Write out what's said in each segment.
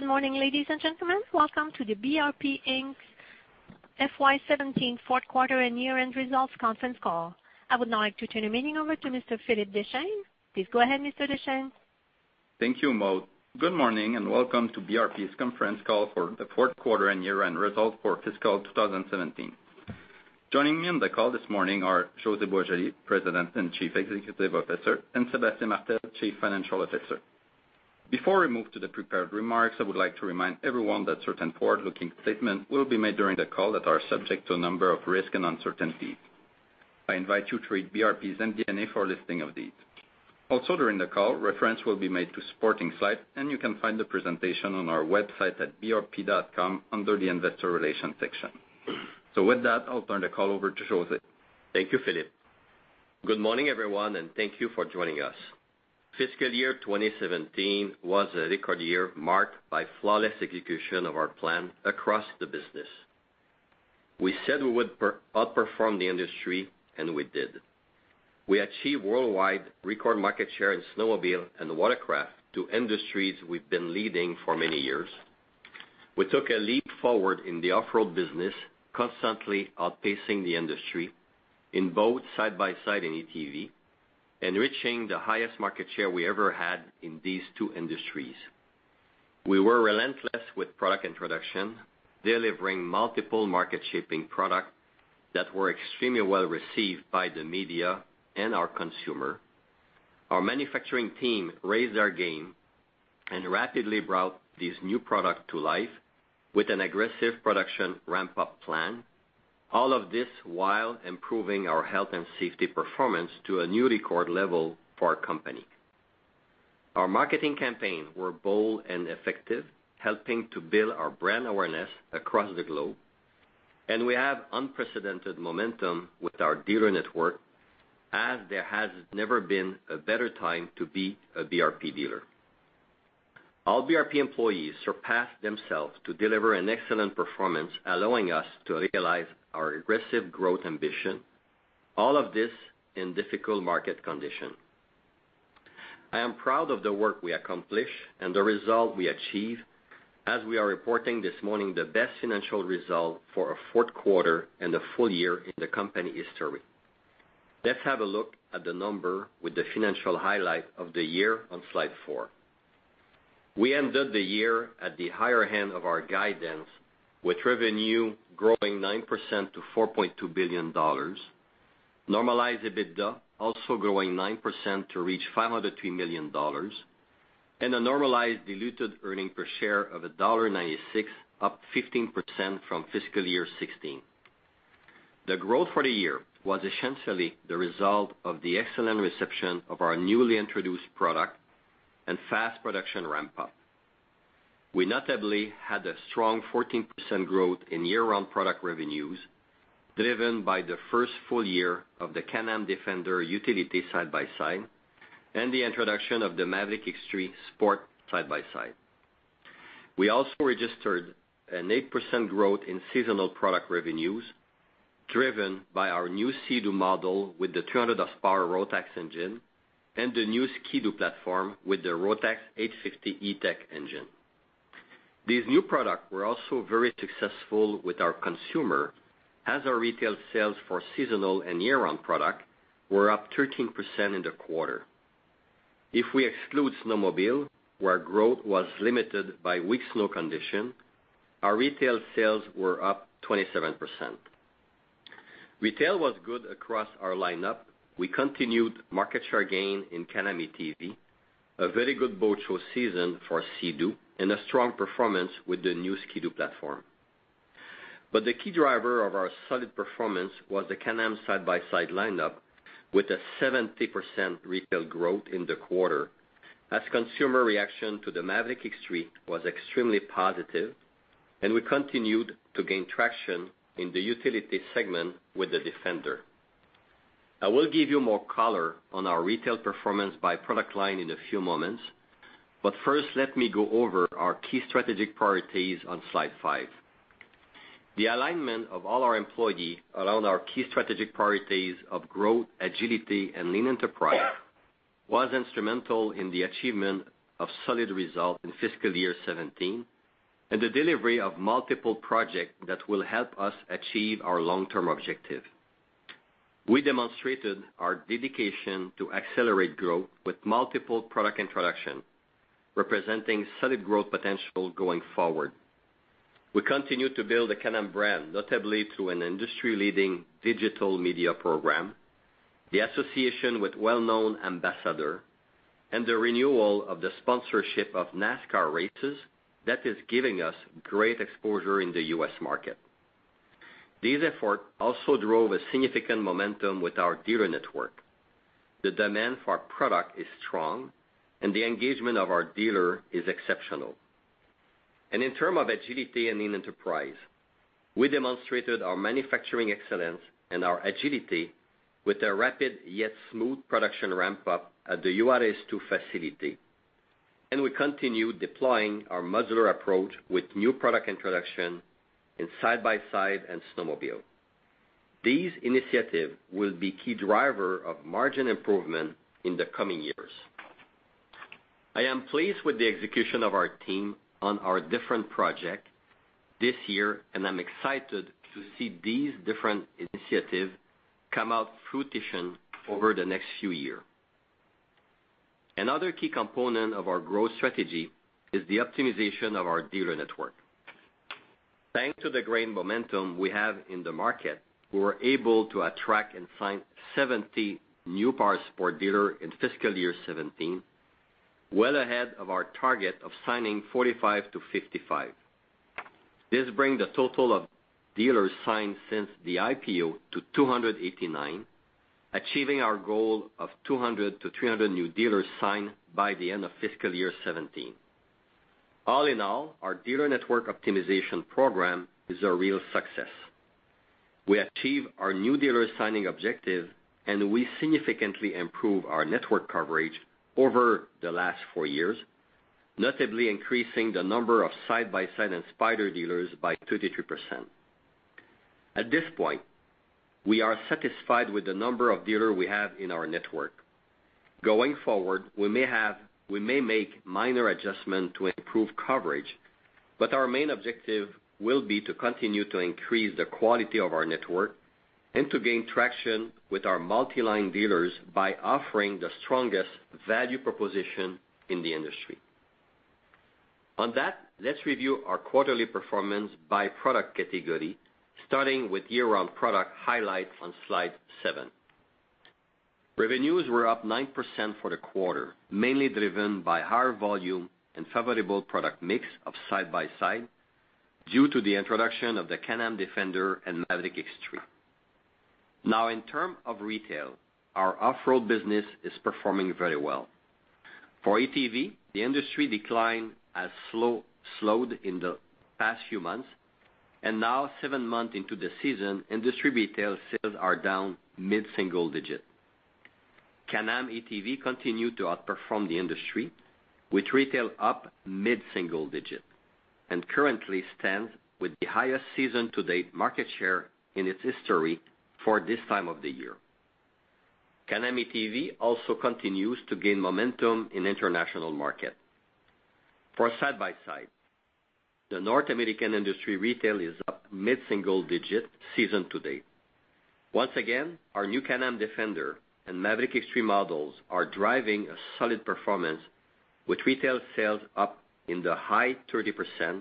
Good morning, ladies and gentlemen. Welcome to the BRP Inc.'s FY 2017 fourth quarter and year-end results conference call. I would now like to turn the meeting over to Mr. Philippe Deschênes. Please go ahead, Mr. Deschênes. Thank you, Maude. Good morning, and welcome to BRP's conference call for the fourth quarter and year-end results for fiscal 2017. Joining me on the call this morning are José Boisjoli, President and Chief Executive Officer, and Sébastien Martel, Chief Financial Officer. Before we move to the prepared remarks, I would like to remind everyone that certain forward-looking statements will be made during the call that are subject to a number of risks and uncertainties. I invite you to read BRP's MD&A for a listing of these. Also during the call, reference will be made to supporting slides, and you can find the presentation on our website at brp.com under the investor relations section. With that, I'll turn the call over to José. Thank you, Philippe. Good morning, everyone, and thank you for joining us. Fiscal year 2017 was a record year marked by flawless execution of our plan across the business. We said we would outperform the industry, and we did. We achieved worldwide record market share in snowmobile and watercraft, two industries we've been leading for many years. We took a leap forward in the off-road business, constantly outpacing the industry in both side-by-side and ATV, and reaching the highest market share we ever had in these two industries. We were relentless with product introduction, delivering multiple market-shaping product that were extremely well-received by the media and our consumer. Our manufacturing team raised their game and rapidly brought these new product to life with an aggressive production ramp-up plan. All of this while improving our health and safety performance to a new record level for our company. Our marketing campaigns were bold and effective, helping to build our brand awareness across the globe. We have unprecedented momentum with our dealer network, as there has never been a better time to be a BRP dealer. All BRP employees surpassed themselves to deliver an excellent performance, allowing us to realize our aggressive growth ambition. All of this in difficult market condition. I am proud of the work we accomplished and the result we achieved, as we are reporting this morning the best financial result for a fourth quarter and a full year in the company history. Let's have a look at the number with the financial highlight of the year on slide four. We ended the year at the higher end of our guidance with revenue growing 9% to 4.2 billion dollars. Normalized EBITDA also growing 9% to reach 503 million dollars, and a normalized diluted earnings per share of dollar 1.96, up 15% from fiscal year 2016. The growth for the year was essentially the result of the excellent reception of our newly introduced products and fast production ramp-up. We notably had a strong 14% growth in year-round product revenues, driven by the first full year of the Can-Am Defender utility side-by-side and the introduction of the Maverick X3 sport side-by-side. We also registered an 8% growth in seasonal product revenues, driven by our new Sea-Doo model with the 300 horsepower Rotax engine and the new Ski-Doo platform with the Rotax 850 E-TEC engine. These new products were also very successful with our consumers, as our retail sales for seasonal and year-round products were up 13% in the quarter. If we exclude snowmobiles, where growth was limited by weak snow conditions, our retail sales were up 27%. Retail was good across our lineup. We continued market share gain in Can-Am ATV, a very good boat show season for Sea-Doo, and a strong performance with the new Ski-Doo platform. The key driver of our solid performance was the Can-Am side-by-side lineup with a 70% retail growth in the quarter as consumer reaction to the Maverick X3 was extremely positive, and we continued to gain traction in the utility segment with the Defender. I will give you more color on our retail performance by product line in a few moments. First, let me go over our key strategic priorities on slide five. The alignment of all our employees around our key strategic priorities of growth, agility, and lean enterprise was instrumental in the achievement of solid results in fiscal year 2017 and the delivery of multiple projects that will help us achieve our long-term objective. We demonstrated our dedication to accelerate growth with multiple product introductions, representing solid growth potential going forward. We continue to build a Can-Am brand, notably through an industry-leading digital media program, the association with well-known ambassadors, and the renewal of the sponsorship of NASCAR races that is giving us great exposure in the U.S. market. These efforts also drove a significant momentum with our dealer network. The demand for our products is strong, and the engagement of our dealers is exceptional. In terms of agility and lean enterprise, we demonstrated our manufacturing excellence and our agility with a rapid, yet smooth production ramp-up at the Juárez 2 facility. We continue deploying our modular approach with new product introductions in side-by-side and snowmobiles. These initiatives will be key drivers of margin improvement in the coming years. I am pleased with the execution of our team on our different projects this year, and I'm excited to see these different initiatives come out fruition over the next few years. Another key component of our growth strategy is the optimization of our dealer network. Thanks to the great momentum we have in the market, we were able to attract and sign 70 new Powersports dealers in fiscal year 2017, well ahead of our target of signing 45-55. This bring the total of dealers signed since the IPO to 289, achieving our goal of 200 to 300 new dealers signed by the end of fiscal year 2017. All in all, our dealer network optimization program is a real success. We achieve our new dealer signing objective, and we significantly improve our network coverage over the last four years, notably increasing the number of side-by-side and Spyder dealers by 33%. At this point, we are satisfied with the number of dealer we have in our network. Going forward, we may make minor adjustment to improve coverage, but our main objective will be to continue to increase the quality of our network and to gain traction with our multi-line dealers by offering the strongest value proposition in the industry. On that, let's review our quarterly performance by product category, starting with year-round product highlights on slide seven. Revenues were up 9% for the quarter, mainly driven by higher volume and favorable product mix of side-by-side due to the introduction of the Can-Am Defender and Maverick X3. Now in term of retail, our off-road business is performing very well. For ATV, the industry decline has slowed in the past few months, and now seven months into the season, industry retail sales are down mid-single digit. Can-Am ATV continue to outperform the industry with retail up mid-single digit and currently stands with the highest season to date market share in its history for this time of the year. Can-Am ATV also continues to gain momentum in international market. For side-by-side, the North American industry retail is up mid-single digit season to date. Once again, our new Can-Am Defender and Maverick X3 models are driving a solid performance with retail sales up in the high 30%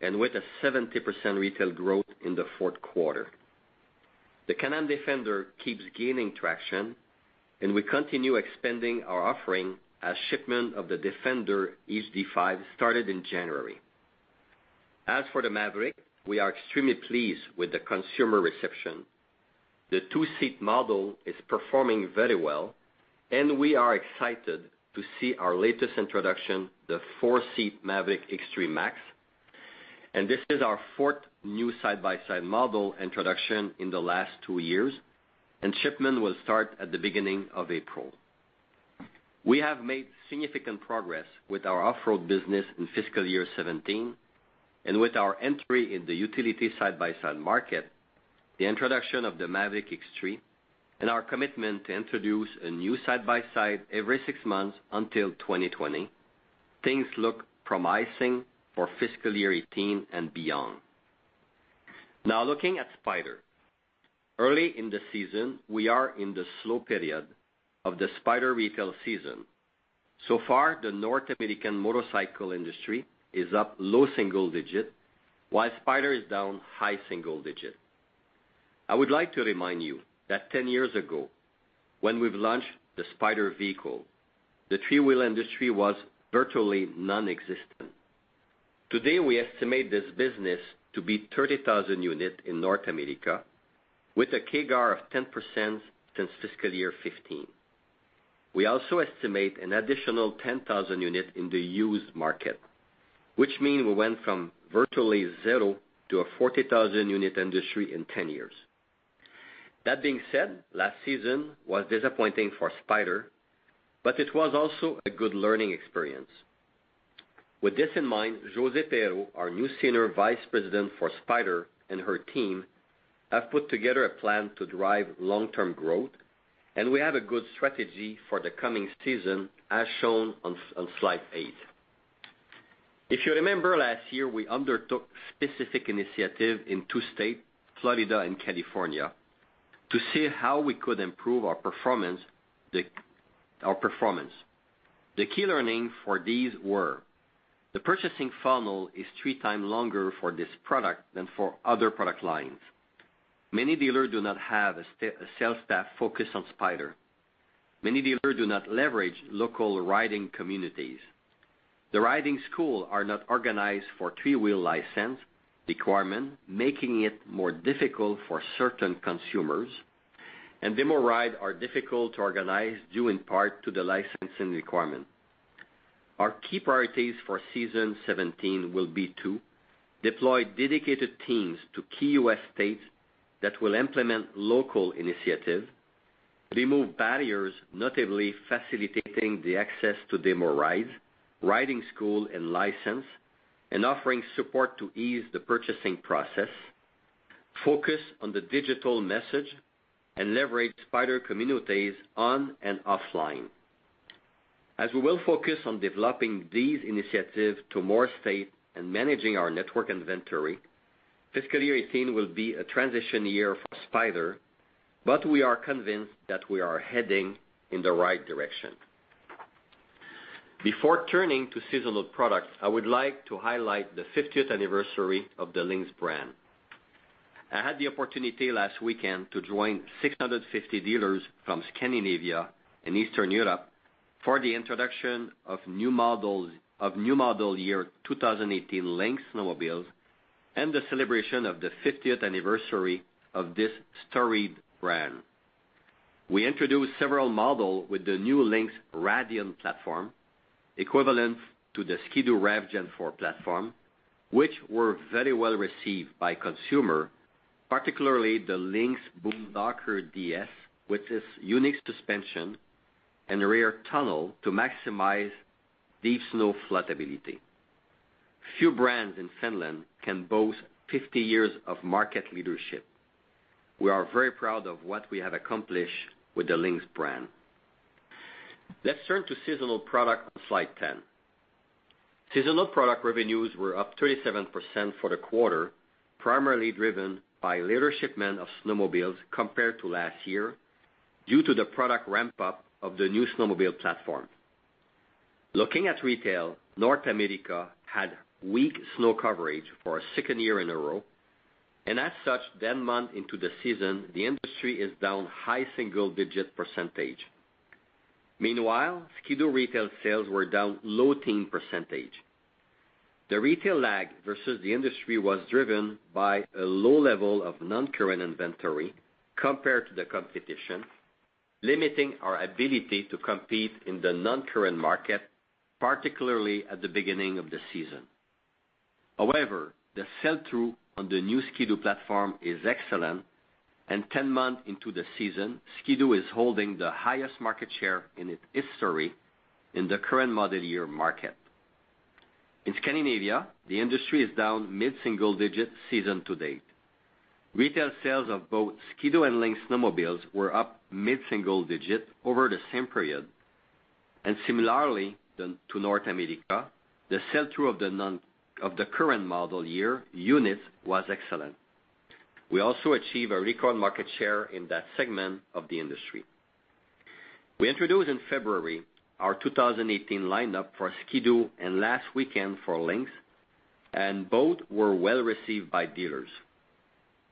and with a 70% retail growth in the fourth quarter. The Can-Am Defender keeps gaining traction, and we continue expanding our offering as shipment of the Defender HD5 started in January. As for the Maverick, we are extremely pleased with the consumer reception. The two-seat model is performing very well, we are excited to see our latest introduction, the four-seat Maverick X3 MAX. This is our fourth new side-by-side model introduction in the last two years, shipment will start at the beginning of April. We have made significant progress with our off-road business in fiscal year 2017 and with our entry in the utility side-by-side market, the introduction of the Maverick X3, and our commitment to introduce a new side-by-side every six months until 2020, things look promising for fiscal year 2018 and beyond. Now looking at Spyder. Early in the season, we are in the slow period of the Spyder retail season. So far, the North American motorcycle industry is up low single digit, while Spyder is down high single digit. I would like to remind you that 10 years ago, when we've launched the Spyder vehicle, the three-wheel industry was virtually nonexistent. Today, we estimate this business to be 30,000 unit in North America with a CAGR of 10% since fiscal year 2015. We also estimate an additional 10,000 unit in the used market, which mean we went from virtually zero to a 40,000 unit industry in 10 years. That being said, last season was disappointing for Spyder, but it was also a good learning experience. With this in mind, Josée Perreault, our new Senior Vice President for Spyder, and her team, have put together a plan to drive long-term growth, and we have a good strategy for the coming season, as shown on slide eight. If you remember last year, we undertook specific initiative in two state, Florida and California, to see how we could improve our performance. The key learning for these were the purchasing funnel is 3 times longer for this product than for other product lines. Many dealer do not have a sales staff focused on Spyder. Many dealer do not leverage local riding communities. The riding school are not organized for three-wheel license requirement, making it more difficult for certain consumers, and demo ride are difficult to organize due in part to the licensing requirement. Our key priorities for season 2017 will be to deploy dedicated teams to key U.S. states that will implement local initiative. We move barriers, notably facilitating the access to demo rides, riding school and license, and offering support to ease the purchasing process, focus on the digital message, and leverage Spyder communities on and offline. As we will focus on developing these initiatives to more states and managing our network inventory, fiscal year 2018 will be a transition year for Spyder, but we are convinced that we are heading in the right direction. Before turning to seasonal products, I would like to highlight the 50th anniversary of the Lynx brand. I had the opportunity last weekend to join 650 dealers from Scandinavia and Eastern Europe for the introduction of new model year 2018 Lynx snowmobiles and the celebration of the 50th anniversary of this storied brand. We introduced several models with the new Lynx Radien platform, equivalent to the Ski-Doo REV Gen 4 platform, which were very well-received by consumer, particularly the Lynx BoonDocker DS with its unique suspension and rear tunnel to maximize deep snow floatability. Few brands in Finland can boast 50 years of market leadership. We are very proud of what we have accomplished with the Lynx brand. Let's turn to seasonal product on slide 10. Seasonal product revenues were up 37% for the quarter, primarily driven by later shipment of snowmobiles compared to last year due to the product ramp-up of the new snowmobile platform. Looking at retail, North America had weak snow coverage for a second year in a row, and as such, month into the season, the industry is down high single-digit percentage. Meanwhile, Ski-Doo retail sales were down low teen percentage. The retail lag versus the industry was driven by a low level of non-current inventory compared to the competition, limiting our ability to compete in the non-current market, particularly at the beginning of the season. However, the sell-through on the new Ski-Doo platform is excellent, and 10 months into the season, Ski-Doo is holding the highest market share in its history in the current model year market. In Scandinavia, the industry is down mid-single digit season to date. Retail sales of both Ski-Doo and Lynx snowmobiles were up mid-single digit over the same period. And similarly to North America, the sell-through of the current model year units was excellent. We also achieved a record market share in that segment of the industry. We introduced in February our 2018 lineup for Ski-Doo and last weekend for Lynx, and both were well-received by dealers.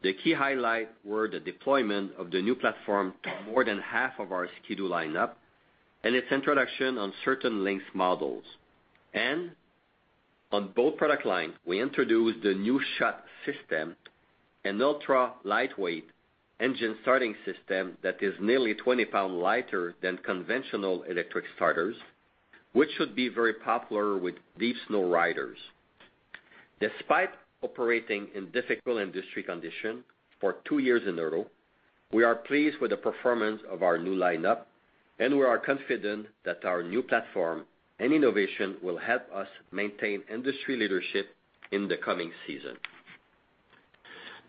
The key highlights were the deployment of the new platform to more than half of our Ski-Doo lineup and its introduction on certain Lynx models. On both product lines, we introduced the new SHOT system, an ultra-lightweight engine starting system that is nearly 20 pounds lighter than conventional electric starters, which should be very popular with deep snow riders. Despite operating in difficult industry conditions for two years in a row, we are pleased with the performance of our new lineup, and we are confident that our new platform and innovation will help us maintain industry leadership in the coming season.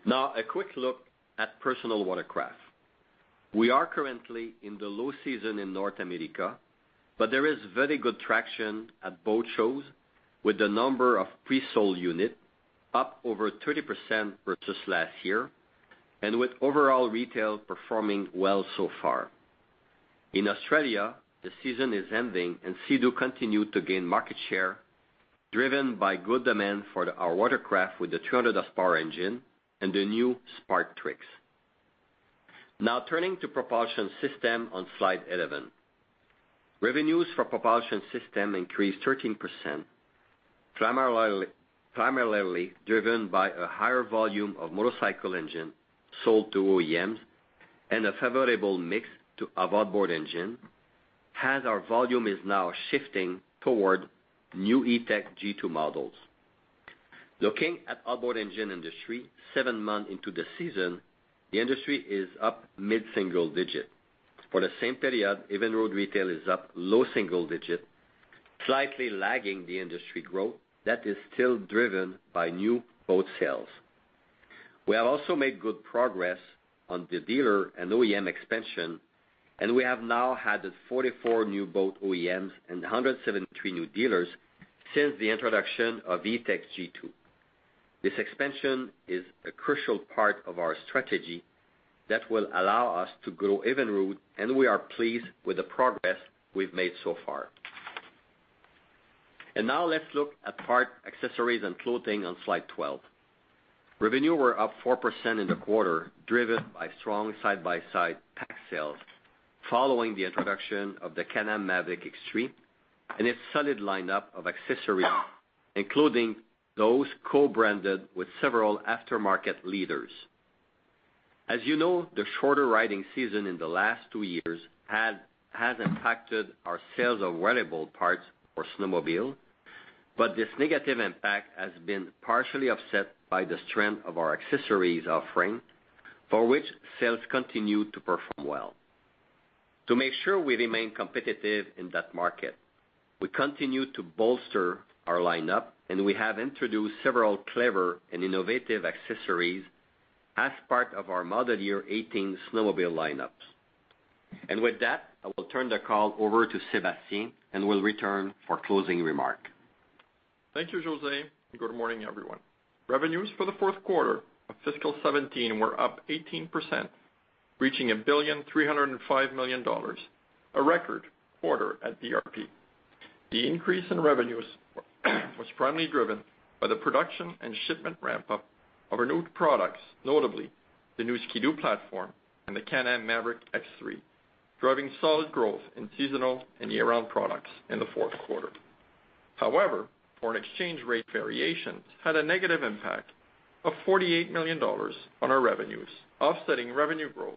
Now, a quick look at personal watercraft. We are currently in the low season in North America, but there is very good traction at boat shows with the number of pre-sold units up over 30% versus last year and with overall retail performing well so far. In Australia, the season is ending, and Sea-Doo continued to gain market share, driven by good demand for our watercraft with the 300 horsepower engine and the new Spark Trixx. Now turning to propulsion system on slide 11. Revenues for propulsion system increased 13%, primarily driven by a higher volume of motorcycle engines sold to OEMs and a favorable mix to our outboard engine, as our volume is now shifting toward new E-TEC G2 models. Looking at outboard engine industry, seven months into the season, the industry is up mid-single digit. For the same period, Evinrude retail is up low single digit, slightly lagging the industry growth that is still driven by new boat sales. We have also made good progress on the dealer and OEM expansion, and we have now added 44 new boat OEMs and 173 new dealers since the introduction of E-TEC G2. This expansion is a crucial part of our strategy that will allow us to grow Evinrude, and we are pleased with the progress we've made so far. Now let's look at parts, accessories, and clothing on slide 12. Revenues were up 4% in the quarter, driven by strong side-by-side PAC sales following the introduction of the Can-Am Maverick X3 and its solid lineup of accessories, including those co-branded with several aftermarket leaders. As you know, the shorter riding season in the last two years has impacted our sales of wearable parts for snowmobiles. This negative impact has been partially offset by the strength of our accessories offering, for which sales continue to perform well. To make sure we remain competitive in that market, we continue to bolster our lineup, and we have introduced several clever and innovative accessories as part of our model year 18 snowmobile lineups. With that, I will turn the call over to Sébastien, and will return for closing remarks. Thank you, José, and good morning, everyone. Revenues for the fourth quarter of FY 2017 were up 18%, reaching 1.305 billion, a record quarter at BRP. The increase in revenues was primarily driven by the production and shipment ramp-up of renewed products, notably the new Ski-Doo platform and the Can-Am Maverick X3, driving solid growth in seasonal and year-round products in the fourth quarter. Foreign exchange rate variations had a negative impact of 48 million dollars on our revenues, offsetting revenue growth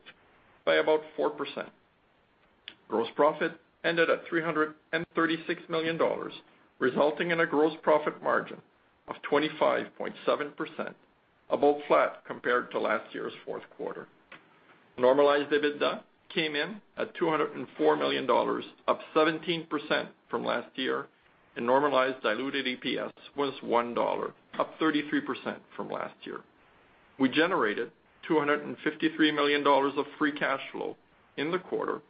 by about 4%. Gross profit ended at 336 million dollars, resulting in a gross profit margin of 25.7%, about flat compared to last year's fourth quarter. Normalized EBITDA came in at 204 million dollars, up 17% from last year, normalized diluted EPS was 1 dollar, up 33% from last year. We generated 253 million dollars of free cash flow in the quarter,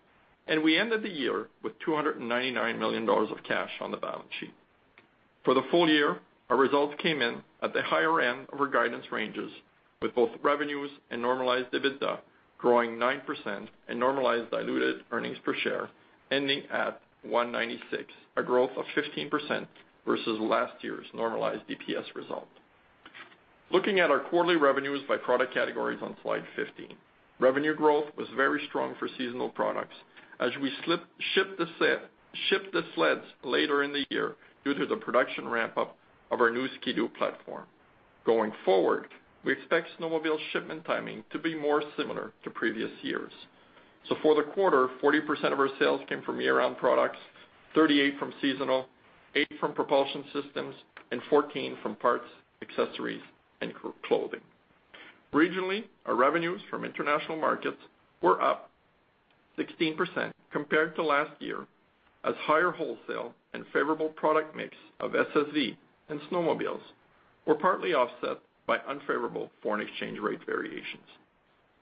we ended the year with 299 million dollars of cash on the balance sheet. For the full year, our results came in at the higher end of our guidance ranges, with both revenues and normalized EBITDA growing 9% normalized diluted earnings per share ending at 1.96, a growth of 15% versus last year's normalized EPS result. Looking at our quarterly revenues by product categories on slide 15. Revenue growth was very strong for seasonal products as we shipped the sleds later in the year due to the production ramp-up of our new Ski-Doo platform. Going forward, we expect snowmobile shipment timing to be more similar to previous years. For the quarter, 40% of our sales came from year-round products, 38% from seasonal, 8% from propulsion systems, and 14% from parts, accessories, and clothing. Regionally, our revenues from international markets were up 16% compared to last year, as higher wholesale and favorable product mix of SSV and snowmobiles were partly offset by unfavorable foreign exchange rate variations.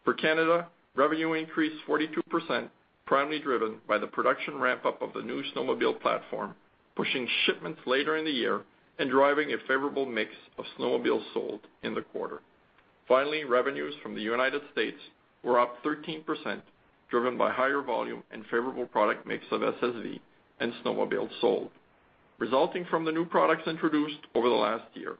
For Canada, revenue increased 42%, primarily driven by the production ramp-up of the new snowmobile platform, pushing shipments later in the year and driving a favorable mix of snowmobiles sold in the quarter. Revenues from the U.S. were up 13%, driven by higher volume and favorable product mix of SSV and snowmobiles sold, resulting from the new products introduced over the last year.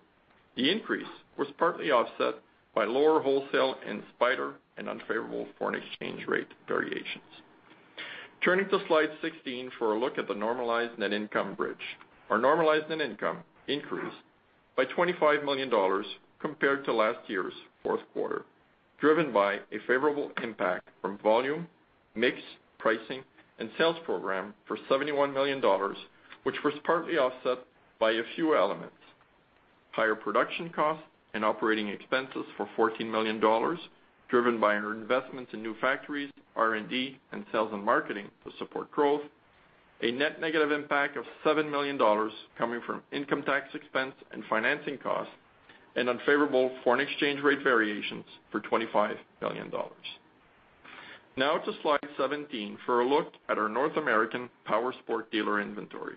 The increase was partly offset by lower wholesale in Spyder and unfavorable foreign exchange rate variations. Turning to slide 16 for a look at the normalized net income bridge. Our normalized net income increased by 25 million dollars compared to last year's fourth quarter, driven by a favorable impact from volume, mix, pricing, and sales program for 71 million dollars, which was partly offset by a few elements. Higher production costs and operating expenses for 14 million dollars, driven by our investments in new factories, R&D, and sales and marketing to support growth. A net negative impact of 7 million dollars coming from income tax expense and financing costs, unfavorable foreign exchange rate variations for 25 million dollars. To slide 17 for a look at our North American Powersport dealer inventory.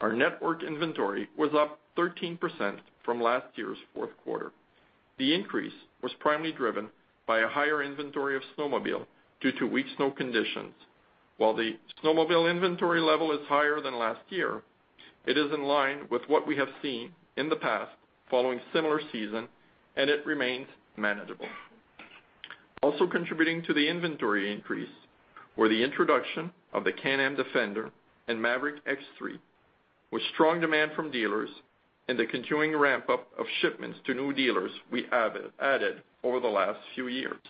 Our network inventory was up 13% from last year's fourth quarter. The increase was primarily driven by a higher inventory of snowmobile due to weak snow conditions. While the snowmobile inventory level is higher than last year, it is in line with what we have seen in the past following similar season, and it remains manageable. Also contributing to the inventory increase were the introduction of the Can-Am Defender and Maverick X3, with strong demand from dealers and the continuing ramp-up of shipments to new dealers we added over the last few years.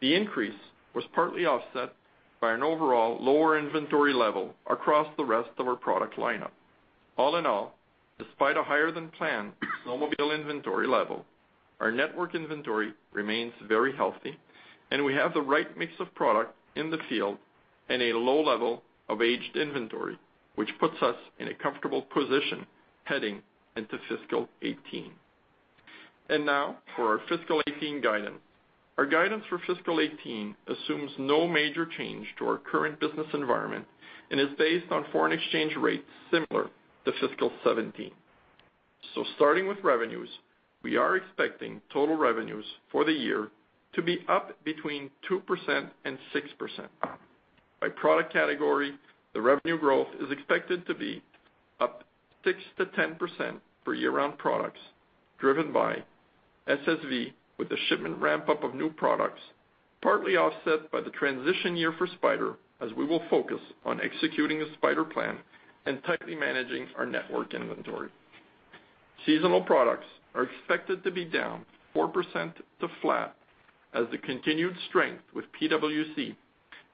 The increase was partly offset by an overall lower inventory level across the rest of our product lineup. All in all, despite a higher-than-planned snowmobile inventory level, our network inventory remains very healthy, and we have the right mix of product in the field and a low level of aged inventory, which puts us in a comfortable position heading into fiscal 2018. Now, for our fiscal 2018 guidance. Our guidance for fiscal 2018 assumes no major change to our current business environment and is based on foreign exchange rates similar to fiscal 2017. Starting with revenues, we are expecting total revenues for the year to be up between 2%-6%. By product category, the revenue growth is expected to be up 6%-10% for year-round products, driven by SSV with the shipment ramp-up of new products, partly offset by the transition year for Spyder, as we will focus on executing the Spyder plan and tightly managing our network inventory. Seasonal products are expected to be down 4% to flat as the continued strength with PWC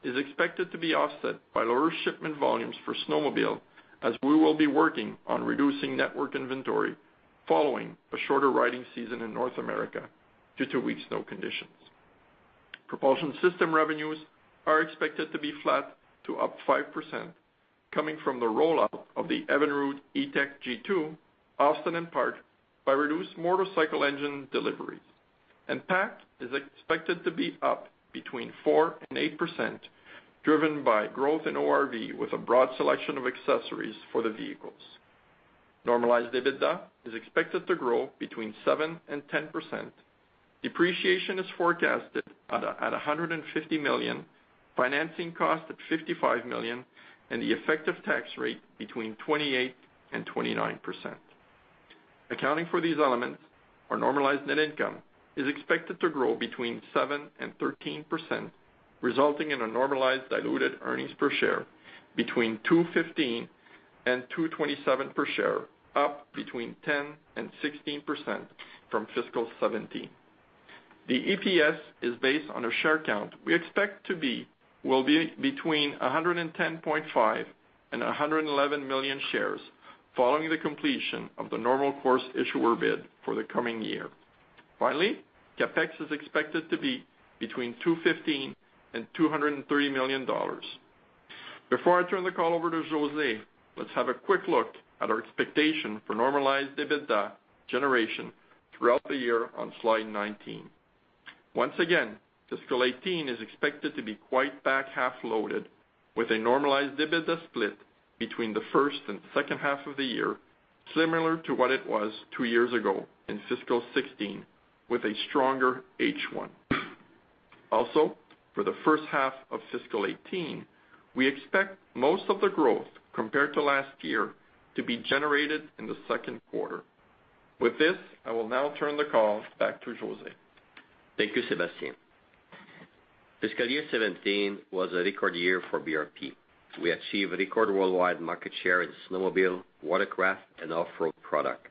is expected to be offset by lower shipment volumes for snowmobile as we will be working on reducing network inventory following a shorter riding season in North America due to weak snow conditions. Propulsion system revenues are expected to be flat to up 5%, coming from the rollout of the Evinrude E-TEC G2, offset in part by reduced motorcycle engine deliveries. Parts is expected to be up between 4%-8%, driven by growth in ORV with a broad selection of accessories for the vehicles. Normalized EBITDA is expected to grow between 7%-10%. Depreciation is forecasted at 150 million, financing cost at 55 million, and the effective tax rate between 28%-29%. Accounting for these elements, our normalized net income is expected to grow between 7%-13%, resulting in a normalized diluted earnings per share between 2.15-2.27 per share, up between 10%-16% from fiscal 2017. The EPS is based on a share count we expect to be between 110.5 and 111 million shares following the completion of the normal course issuer bid for the coming year. Finally, CapEx is expected to be between 215 million dollars and CAD 230 million. Before I turn the call over to José, let's have a quick look at our expectation for normalized EBITDA generation throughout the year on slide 19. Once again, fiscal 2018 is expected to be quite back-half loaded with a normalized EBITDA split between the first and second half of the year, similar to what it was two years ago in fiscal 2016, with a stronger H1. Also, for the first half of fiscal 2018, we expect most of the growth compared to last year to be generated in the second quarter. With this, I will now turn the call back to José. Thank you, Sébastien. Fiscal year 2017 was a record year for BRP. We achieved a record worldwide market share in snowmobile, watercraft, and off-road product.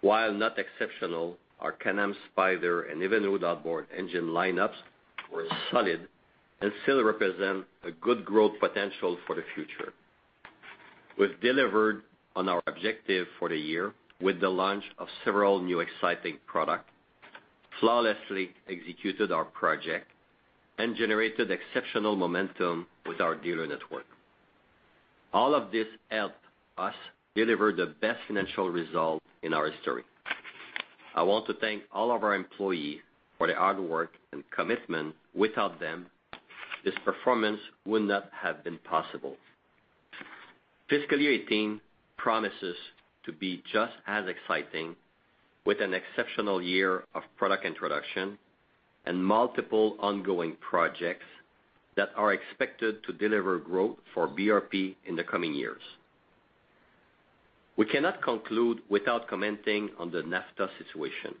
While not exceptional, our Can-Am Spyder and Evinrude outboard engine lineups were solid and still represent a good growth potential for the future. We've delivered on our objective for the year with the launch of several new exciting product, flawlessly executed our project, and generated exceptional momentum with our dealer network. All of this helped us deliver the best financial result in our history. I want to thank all of our employees for their hard work and commitment. Without them, this performance would not have been possible. Fiscal year 2018 promises to be just as exciting with an exceptional year of product introduction and multiple ongoing projects that are expected to deliver growth for BRP in the coming years. We cannot conclude without commenting on the NAFTA situation.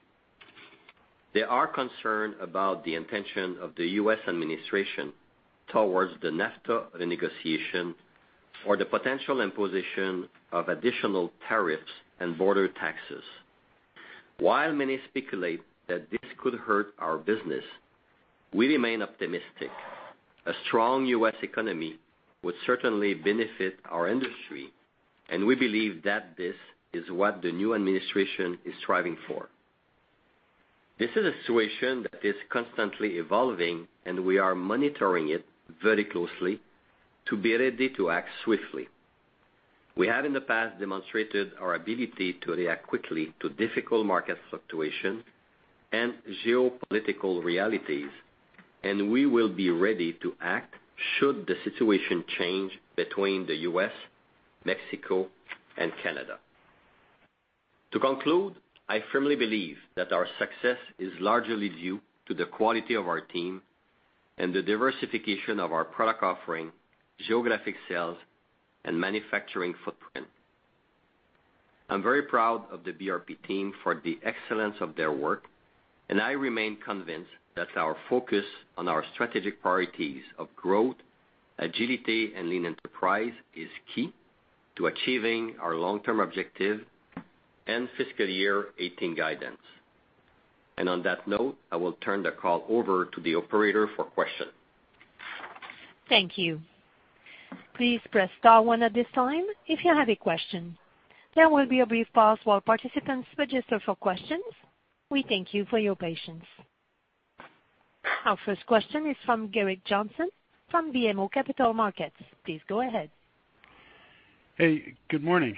There are concerns about the intention of the U.S. administration towards the NAFTA renegotiation or the potential imposition of additional tariffs and border taxes. While many speculate that this could hurt our business, we remain optimistic. A strong U.S. economy would certainly benefit our industry, and we believe that this is what the new administration is striving for. This is a situation that is constantly evolving, and we are monitoring it very closely to be ready to act swiftly. We have in the past demonstrated our ability to react quickly to difficult market situations and geopolitical realities, and we will be ready to act should the situation change between the U.S., Mexico, and Canada. To conclude, I firmly believe that our success is largely due to the quality of our team and the diversification of our product offering, geographic sales, and manufacturing footprint. I'm very proud of the BRP team for the excellence of their work, and I remain convinced that our focus on our strategic priorities of growth, agility, and lean enterprise is key to achieving our long-term objective and fiscal year 2018 guidance. On that note, I will turn the call over to the operator for questions. Thank you. Please press star one at this time if you have a question. There will be a brief pause while participants register for questions. We thank you for your patience. Our first question is from Gerrick Johnson from BMO Capital Markets. Please go ahead. Hey, good morning.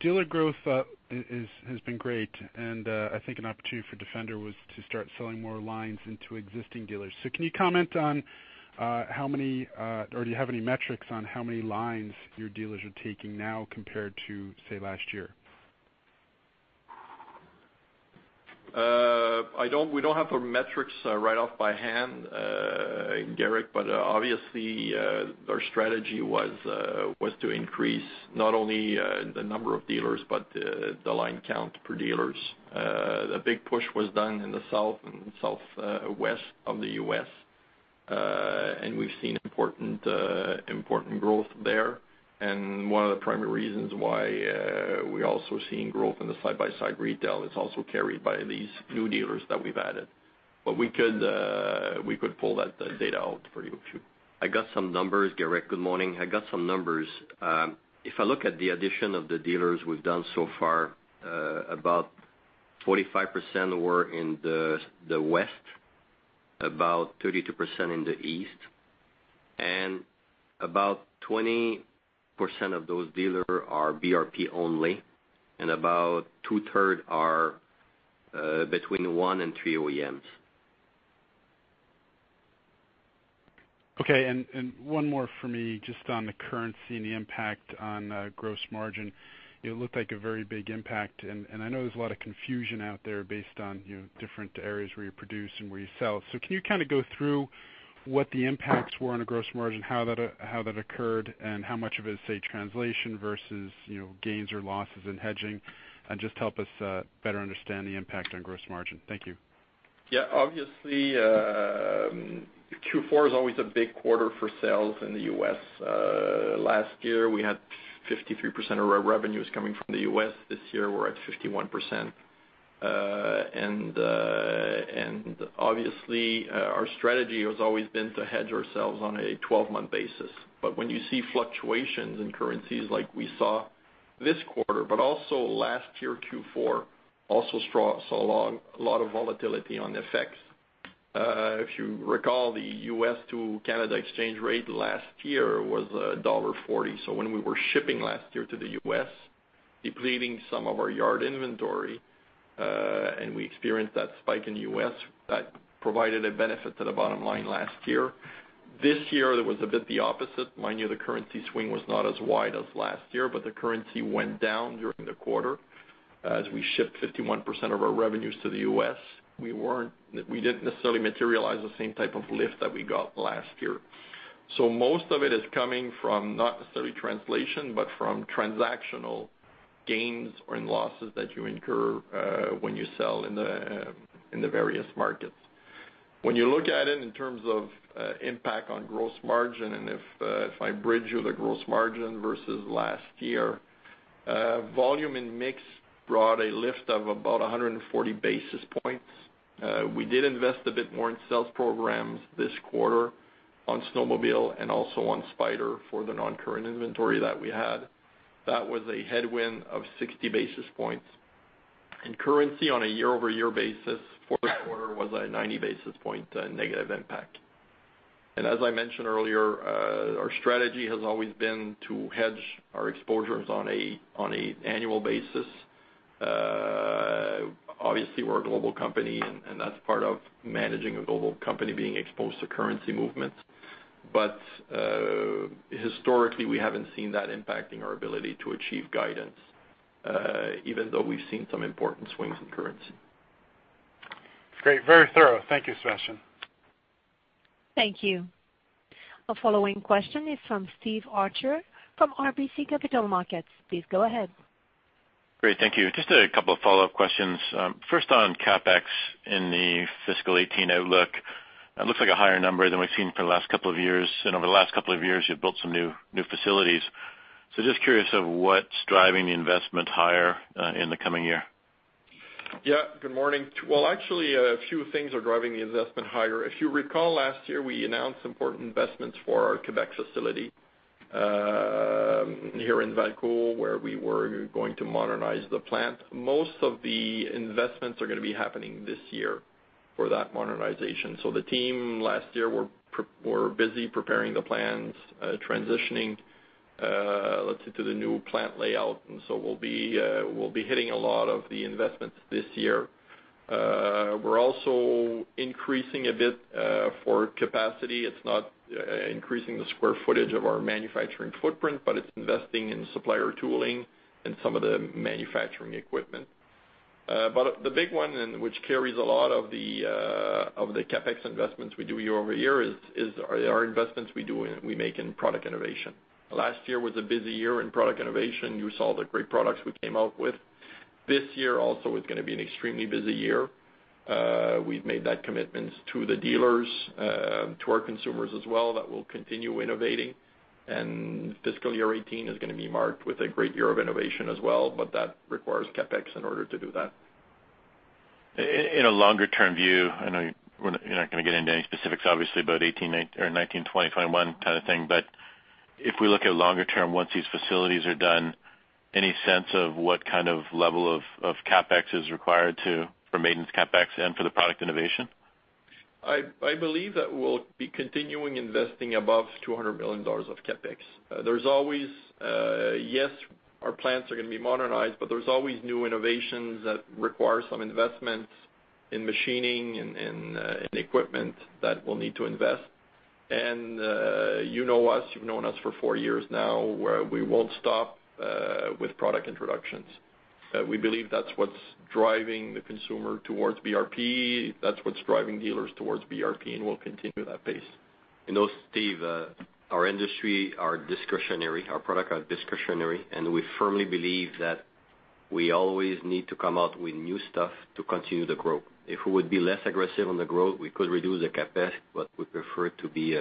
Dealer growth has been great, and I think an opportunity for Can-Am Defender was to start selling more lines into existing dealers. Can you comment on how many, or do you have any metrics on how many lines your dealers are taking now compared to, say, last year? We don't have the metrics right off by hand, Gerrick, obviously, our strategy was to increase not only the number of dealers but the line count per dealers. A big push was done in the South and Southwest of the U.S. We've seen important growth there. One of the primary reasons why we're also seeing growth in the side-by-side retail is also carried by these new dealers that we've added. We could pull that data out for you if you- I got some numbers, Gerrick. Good morning. I got some numbers. If I look at the addition of the dealers we've done so far, about 45% were in the West, about 32% in the East, and about 20% of those dealers are BRP only, and about two-third are between one and three OEMs. Okay, one more for me, just on the currency and the impact on gross margin. It looked like a very big impact, and I know there's a lot of confusion out there based on different areas where you produce and where you sell. Can you kind of go through what the impacts were on the gross margin, how that occurred, and how much of it is, say, translation versus gains or losses in hedging, and just help us better understand the impact on gross margin? Thank you. Yeah. Obviously, Q4 is always a big quarter for sales in the U.S. Last year, we had 53% of our revenues coming from the U.S. This year, we're at 51%. Obviously, our strategy has always been to hedge ourselves on a 12-month basis. When you see fluctuations in currencies like we saw this quarter, but also last year, Q4 also saw a lot of volatility on the FX. If you recall, the U.S. to Canada exchange rate last year was dollar 1.40. When we were shipping last year to the U.S., depleting some of our yard inventory, and we experienced that spike in the U.S., that provided a benefit to the bottom line last year. This year, it was a bit the opposite. Mind you, the currency swing was not as wide as last year, but the currency went down during the quarter. As we shipped 51% of our revenues to the U.S., we didn't necessarily materialize the same type of lift that we got last year. Most of it is coming from not necessarily translation, but from transactional gains or in losses that you incur when you sell in the various markets. When you look at it in terms of impact on gross margin, and if I bridge you the gross margin versus last year, volume and mix brought a lift of about 140 basis points. We did invest a bit more in sales programs this quarter on snowmobile and also on Spyder for the non-current inventory that we had. That was a headwind of 60 basis points. Currency on a year-over-year basis, fourth quarter was a 90 basis point negative impact. As I mentioned earlier, our strategy has always been to hedge our exposures on an annual basis. Obviously, we're a global company, and that's part of managing a global company, being exposed to currency movements. Historically, we haven't seen that impacting our ability to achieve guidance, even though we've seen some important swings in currency. Great. Very thorough. Thank you, Sébastien. Thank you. Our following question is from Steve Archer from RBC Capital Markets. Please go ahead. Great. Thank you. Just a couple of follow-up questions. First on CapEx in the fiscal 2018 outlook. It looks like a higher number than we've seen for the last couple of years. Over the last couple of years, you've built some new facilities. Just curious of what's driving the investment higher in the coming year. Good morning. Well, actually, a few things are driving the investment higher. If you recall last year, we announced important investments for our Quebec facility here in Valcourt, where we were going to modernize the plant. Most of the investments are going to be happening this year for that modernization. The team last year were busy preparing the plans, transitioning, let's say, to the new plant layout. We'll be hitting a lot of the investments this year. We're also increasing a bit for capacity. It's not increasing the square footage of our manufacturing footprint, but it's investing in supplier tooling and some of the manufacturing equipment. The big one, which carries a lot of the CapEx investments we do year-over-year, is our investments we make in product innovation. Last year was a busy year in product innovation. You saw the great products we came out with. This year also is going to be an extremely busy year. We've made that commitment to the dealers, to our consumers as well, that we'll continue innovating. Fiscal year 2018 is going to be marked with a great year of innovation as well, but that requires CapEx in order to do that. In a longer-term view, I know you're not going to get into any specifics, obviously, about 2018 or 2019, 2020, 2021 kind of thing, but if we look at longer term, once these facilities are done, any sense of what kind of level of CapEx is required for maintenance CapEx and for the product innovation? I believe that we'll be continuing investing above 200 million dollars of CapEx. Yes, our plants are going to be modernized, there's always new innovations that require some investment in machining and in equipment that we'll need to invest. You know us, you've known us for four years now, where we won't stop with product introductions. We believe that's what's driving the consumer towards BRP. That's what's driving dealers towards BRP, we'll continue that pace. Also, Steve, our industry, our discretionary, our product, our discretionary, we firmly believe that we always need to come out with new stuff to continue the growth. If we would be less aggressive on the growth, we could reduce the CapEx, we prefer to be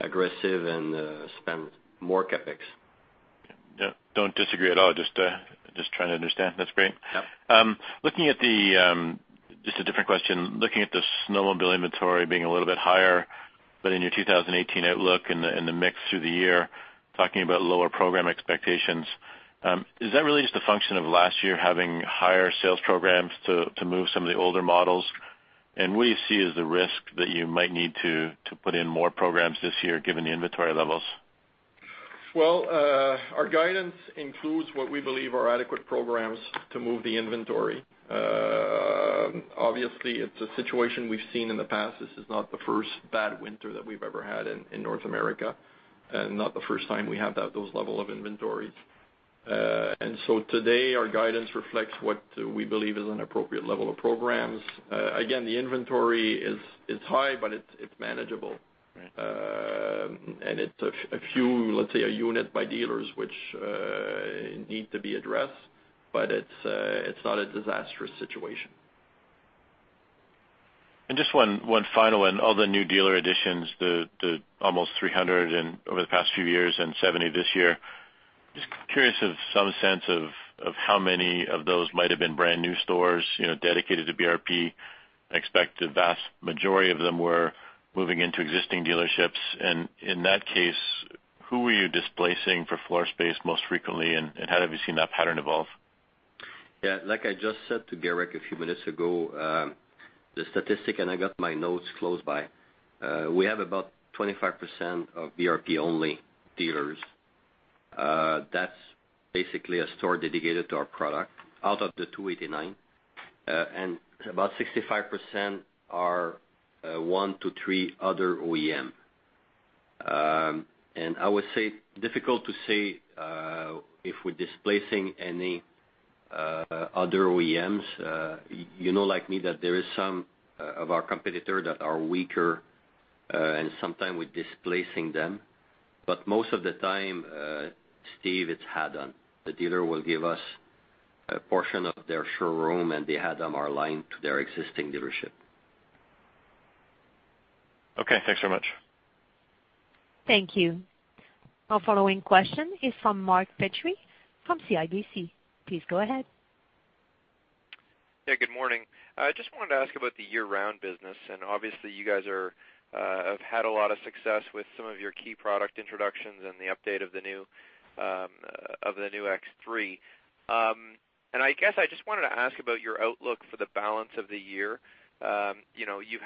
aggressive and spend more CapEx. Yeah. Don't disagree at all. Just trying to understand. That's great. Yeah. Just a different question. Looking at the snowmobile inventory being a little bit higher, in your 2018 outlook and the mix through the year, talking about lower program expectations. Is that really just a function of last year having higher sales programs to move some of the older models? What do you see as the risk that you might need to put in more programs this year, given the inventory levels? Well, our guidance includes what we believe are adequate programs to move the inventory. Obviously, it's a situation we've seen in the past. This is not the first bad winter that we've ever had in North America, not the first time we have those level of inventories. Today, our guidance reflects what we believe is an appropriate level of programs. Again, the inventory is high, but it's manageable. Right. It's a few, let's say, a unit by dealers which need to be addressed, but it's not a disastrous situation. Just one final one. All the new dealer additions, the almost 300 over the past few years and 70 this year. Just curious of some sense of how many of those might have been brand-new stores dedicated to BRP. I expect the vast majority of them were moving into existing dealerships. In that case, who were you displacing for floor space most frequently, and how have you seen that pattern evolve? Yeah. Like I just said to Gerrick a few minutes ago, the statistic, and I got my notes close by. We have about 25% of BRP-only dealers. That's basically a store dedicated to our product out of the 289. About 65% are one to three other OEM. I would say, difficult to say if we're displacing any other OEMs. You know, like me, that there is some of our competitor that are weaker, and sometimes we're displacing them. Most of the time, Steve, it's add-on. The dealer will give us a portion of their showroom, and the add-on are aligned to their existing dealership. Okay, thanks so much. Thank you. Our following question is from Mark Petrie from CIBC. Please go ahead. Yeah, good morning. I just wanted to ask about the year-round business. Obviously, you guys have had a lot of success with some of your key product introductions and the update of the new X3. I guess I just wanted to ask about your outlook for the balance of the year. You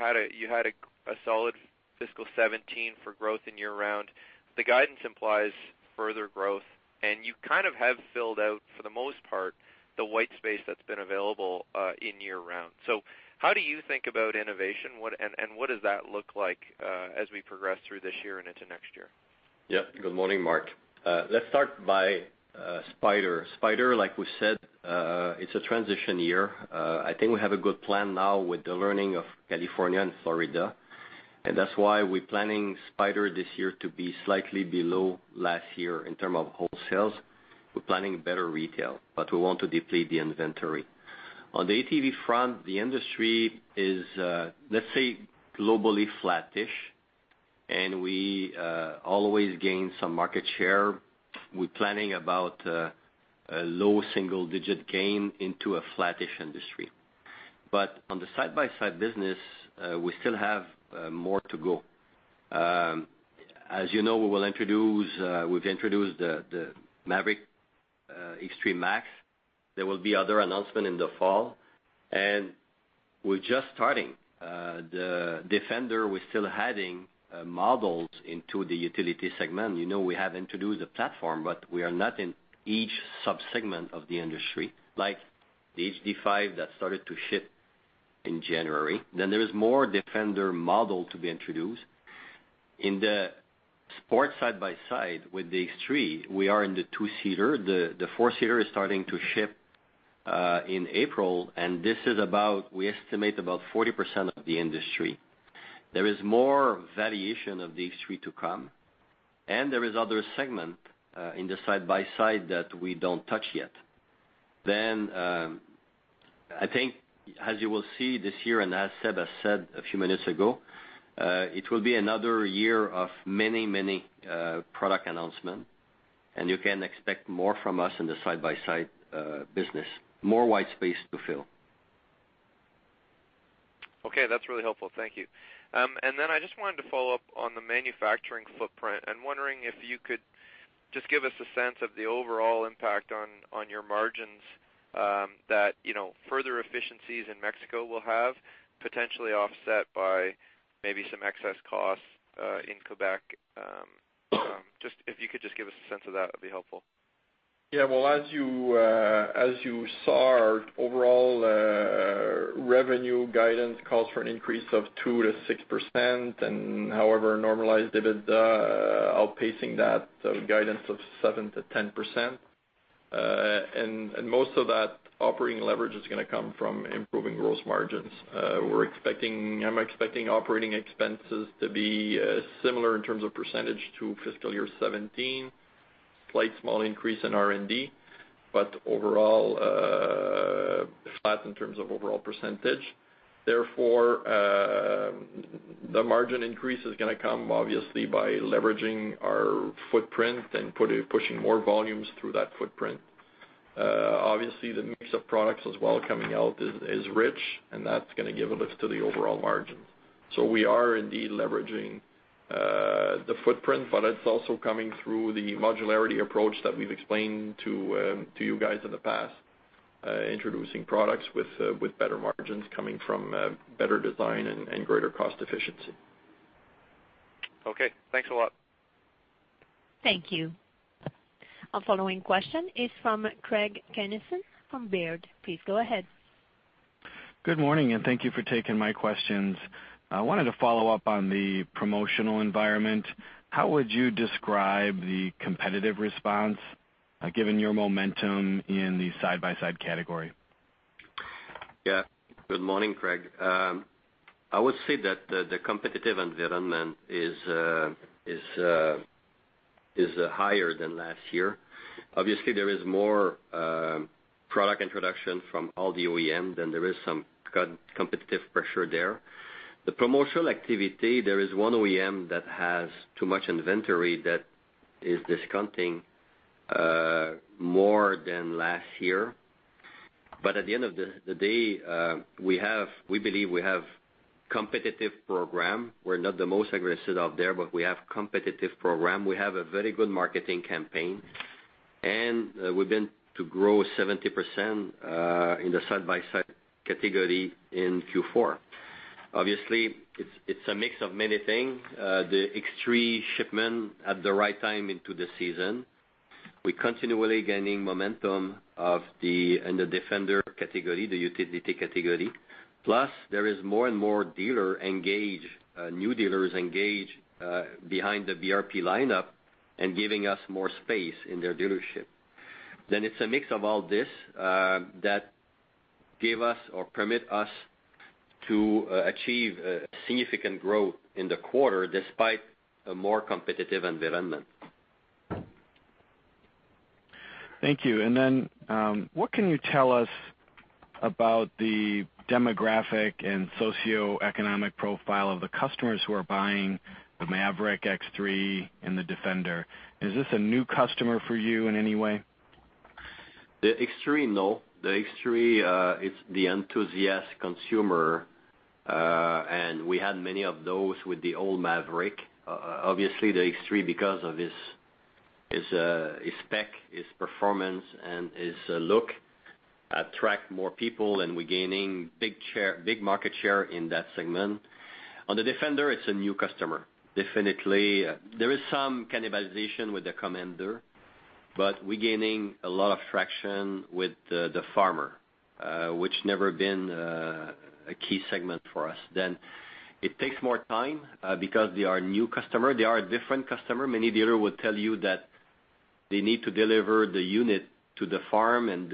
had a solid fiscal 2017 for growth in year round. The guidance implies further growth, and you kind of have filled out, for the most part, the white space that's been available in year round. How do you think about innovation, and what does that look like as we progress through this year and into next year? Good morning, Mark. Let's start by Spyder. Spyder, like we said, it's a transition year. I think we have a good plan now with the learning of California and Florida, and that's why we're planning Spyder this year to be slightly below last year in term of wholesales. We're planning better retail, but we want to deplete the inventory. On the ATV front, the industry is, let's say, globally flattish, and we always gain some market share. We're planning about a low single-digit gain into a flattish industry. On the side-by-side business, we still have more to go. As you know, we've introduced the Maverick X3 MAX. There will be other announcement in the fall, and we're just starting. The Defender, we're still adding models into the utility segment. We have introduced the platform, but we are not in each subsegment of the industry. Like the HD5 that started to ship in January. There is more Defender model to be introduced. In the sports side by side with the X3, we are in the two-seater. The four-seater is starting to ship in April, and this is about, we estimate about 40% of the industry. There is more variation of the X3 to come, and there is other segment in the side-by-side that we don't touch yet. I think, as you will see this year and as Seb has said a few minutes ago, it will be another year of many product announcement, and you can expect more from us in the side-by-side business. More white space to fill. That's really helpful. Thank you. I just wanted to follow up on the manufacturing footprint, and wondering if you could just give us a sense of the overall impact on your margins that further efficiencies in Mexico will have, potentially offset by maybe some excess costs in Quebec. If you could just give us a sense of that, it'd be helpful. Well, as you saw, our overall revenue guidance calls for an increase of 2%-6%. However, normalized EBITDA outpacing that guidance of 7%-10%. Most of that operating leverage is going to come from improving gross margins. I'm expecting operating expenses to be similar in terms of percentage to fiscal year 2017. Slight small increase in R&D, overall flat in terms of overall percentage. The margin increase is going to come, obviously, by leveraging our footprint and pushing more volumes through that footprint. Obviously, the mix of products as well coming out is rich, and that's going to give a lift to the overall margin. We are indeed leveraging the footprint, but it's also coming through the modularity approach that we've explained to you guys in the past. Introducing products with better margins coming from better design and greater cost efficiency. Okay. Thanks a lot. Thank you. Our following question is from Craig Kennison from Baird. Please go ahead. Good morning. Thank you for taking my questions. I wanted to follow up on the promotional environment. How would you describe the competitive response, given your momentum in the side-by-side category? Good morning, Craig. I would say that the competitive environment is higher than last year. There is more product introduction from all the OEMs, there is some competitive pressure there. The promotional activity, there is one OEM that has too much inventory that is discounting more than last year. At the end of the day, we believe we have competitive program. We're not the most aggressive out there, but we have competitive program. We have a very good marketing campaign, we've been to grow 70% in the side-by-side category in Q4. It's a mix of many things. The X3 shipment at the right time into the season. We continually gaining momentum in the Defender category, the utility category. There is more and more dealer engage, new dealers engage, behind the BRP lineup and giving us more space in their dealership. It's a mix of all this that give us or permit us to achieve significant growth in the quarter despite a more competitive environment. Thank you. What can you tell us about the demographic and socioeconomic profile of the customers who are buying the Maverick X3 and the Defender? Is this a new customer for you in any way? The X3, no. The X3, it's the enthusiast consumer, we had many of those with the old Maverick. The X3, because of its spec, its performance, its look, attract more people, we're gaining big market share in that segment. On the Defender, it's a new customer, definitely. There is some cannibalization with the Commander, we gaining a lot of traction with the farmer, which never been a key segment for us. It takes more time because they are a new customer. They are a different customer. Many dealer will tell you that they need to deliver the unit to the farm and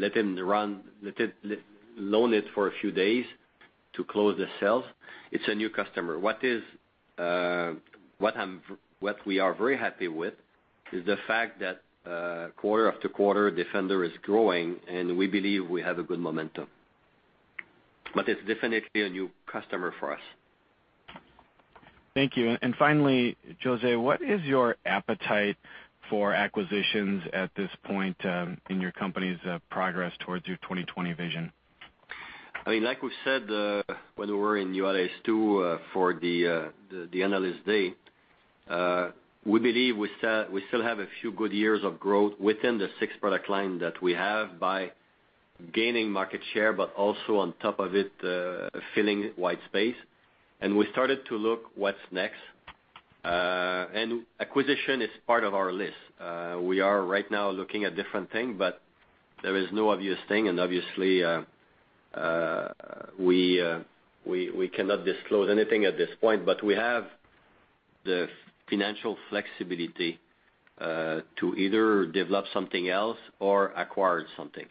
let him loan it for a few days to close the sales. It's a new customer. What we are very happy with is the fact that quarter after quarter, Defender is growing, we believe we have a good momentum. It's definitely a new customer for us. Thank you. Finally, José, what is your appetite for acquisitions at this point in your company's progress towards your 2020 vision? Like we said, when we were in Juárez 2 for the analyst day, we believe we still have a few good years of growth within the six product line that we have by gaining market share, also on top of it, filling white space. We started to look what's next. Acquisition is part of our list. We are right now looking at different thing, there is no obvious thing, obviously, we cannot disclose anything at this point. We have the financial flexibility to either develop something else or acquire something.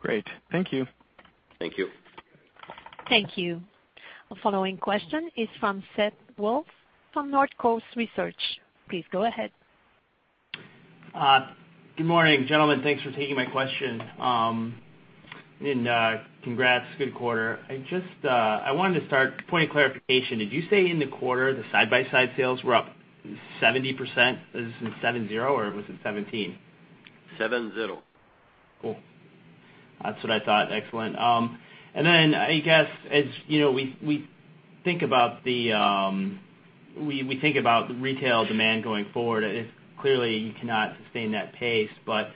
Great. Thank you. Thank you. Thank you. Our following question is from Seth Woolf from North Coast Research. Please go ahead. Good morning, gentlemen. Thanks for taking my question. Congrats, good quarter. I wanted to start point of clarification. Did you say in the quarter, the side-by-side sales were up 70%? Is this 70, or was it 17? 70. Cool. That's what I thought. Excellent. I guess, as we think about the retail demand going forward, clearly you cannot sustain that pace, but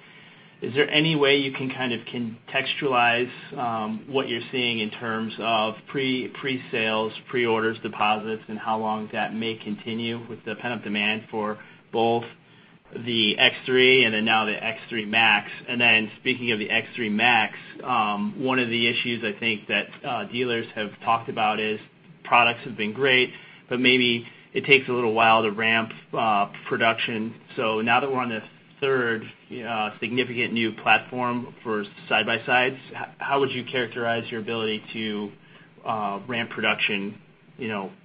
is there any way you can kind of contextualize what you're seeing in terms of pre-sales, pre-orders, deposits, and how long that may continue with the pent-up demand for both the X3 and now the X3 Max? Speaking of the X3 Max, one of the issues I think that dealers have talked about is products have been great, but maybe it takes a little while to ramp up production. Now that we're on the third significant new platform for side-by-sides, how would you characterize your ability to ramp production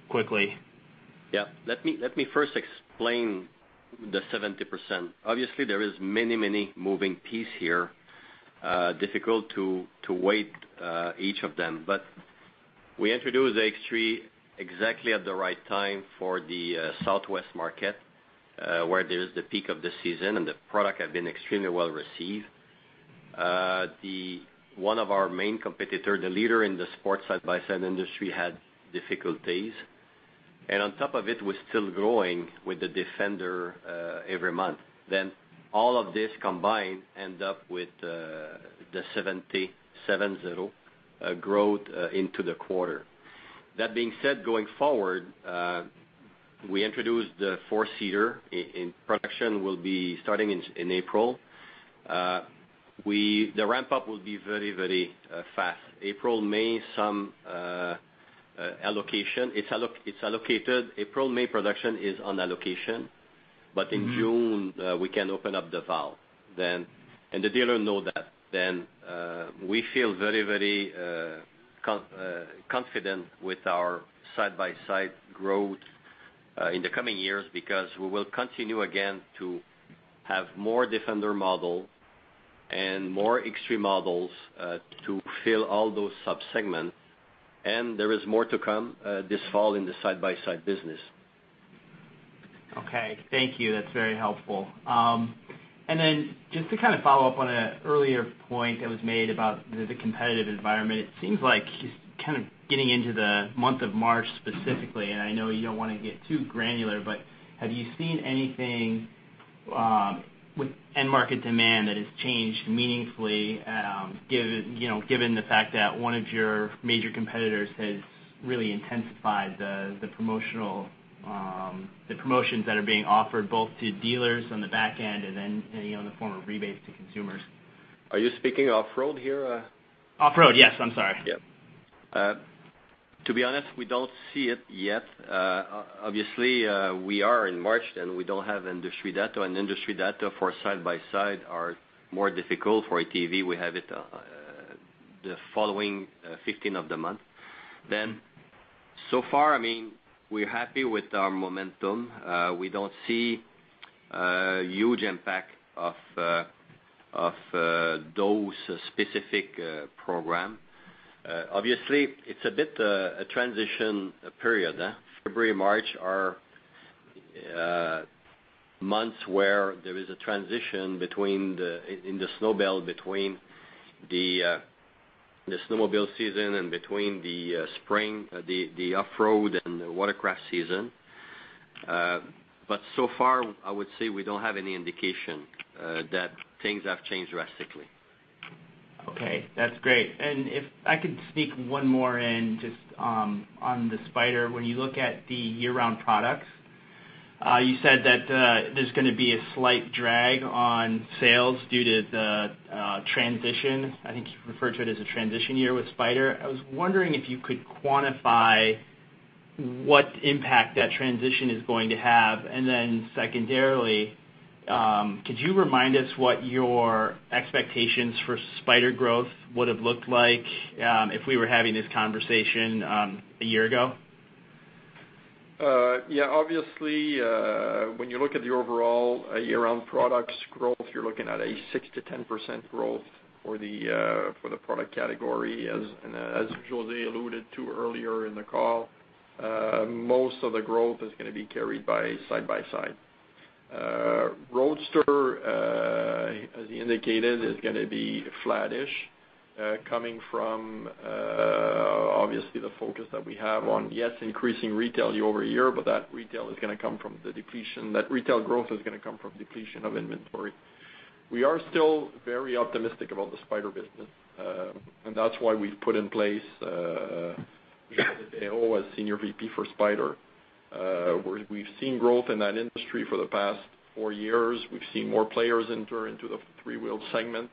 quickly? Yeah. Let me first explain the 70%. Obviously, there is many moving piece here, difficult to weight each of them. We introduced X3 exactly at the right time for the Southwest market, where there is the peak of the season, and the product had been extremely well-received. One of our main competitor, the leader in the sports side-by-side industry, had difficulties. On top of it, we're still growing with the Defender every month. All of this combined end up with the 70% growth into the quarter. That being said, going forward, we introduced the four-seater. Production will be starting in April. The ramp-up will be very fast. April, May, some allocation. It's allocated. April, May production is on allocation. In June, we can open up the valve then, and the dealer know that. We feel very confident with our side-by-side growth, in the coming years, because we will continue again to have more Defender model and more X3 models, to fill all those sub-segments. There is more to come this fall in the side-by-side business. Okay. Thank you. That's very helpful. Just to follow up on an earlier point that was made about the competitive environment. It seems like kind of getting into the month of March specifically, I know you don't want to get too granular, have you seen anything with end market demand that has changed meaningfully given the fact that one of your major competitors has really intensified the promotions that are being offered both to dealers on the back end and in the form of rebates to consumers? Are you speaking off-road here? Off-road. Yes. I'm sorry. To be honest, we don't see it yet. Obviously, we are in March, and we don't have industry data, and industry data for side-by-side are more difficult. For ATV, we have it the following 15th of the month. So far, we're happy with our momentum. We don't see a huge impact of those specific program. Obviously, it's a bit a transition period. February, March are months where there is a transition in the snow belt between the snowmobile season and between the spring, the off-road, and the watercraft season. So far, I would say we don't have any indication that things have changed drastically. Okay. That's great. If I could sneak one more in just on the Spyder. When you look at the year-round products, you said that there's going to be a slight drag on sales due to the transition. I think you referred to it as a transition year with Spyder. I was wondering if you could quantify what impact that transition is going to have. Secondarily, could you remind us what your expectations for Spyder growth would've looked like if we were having this conversation a year ago? Yeah. Obviously, when you look at the overall year-round products growth, you're looking at a 6%-10% growth for the product category. As José alluded to earlier in the call, most of the growth is going to be carried by side-by-side. Roadster, as he indicated, is going to be flattish, coming from, obviously, the focus that we have on, yes, increasing retail year-over-year, but that retail growth is going to come from depletion of inventory. We are still very optimistic about the Spyder business. That's why we've put in place Josée Perreault as Senior Vice President for Spyder. We've seen growth in that industry for the past four years. We've seen more players enter into the three-wheeled segment.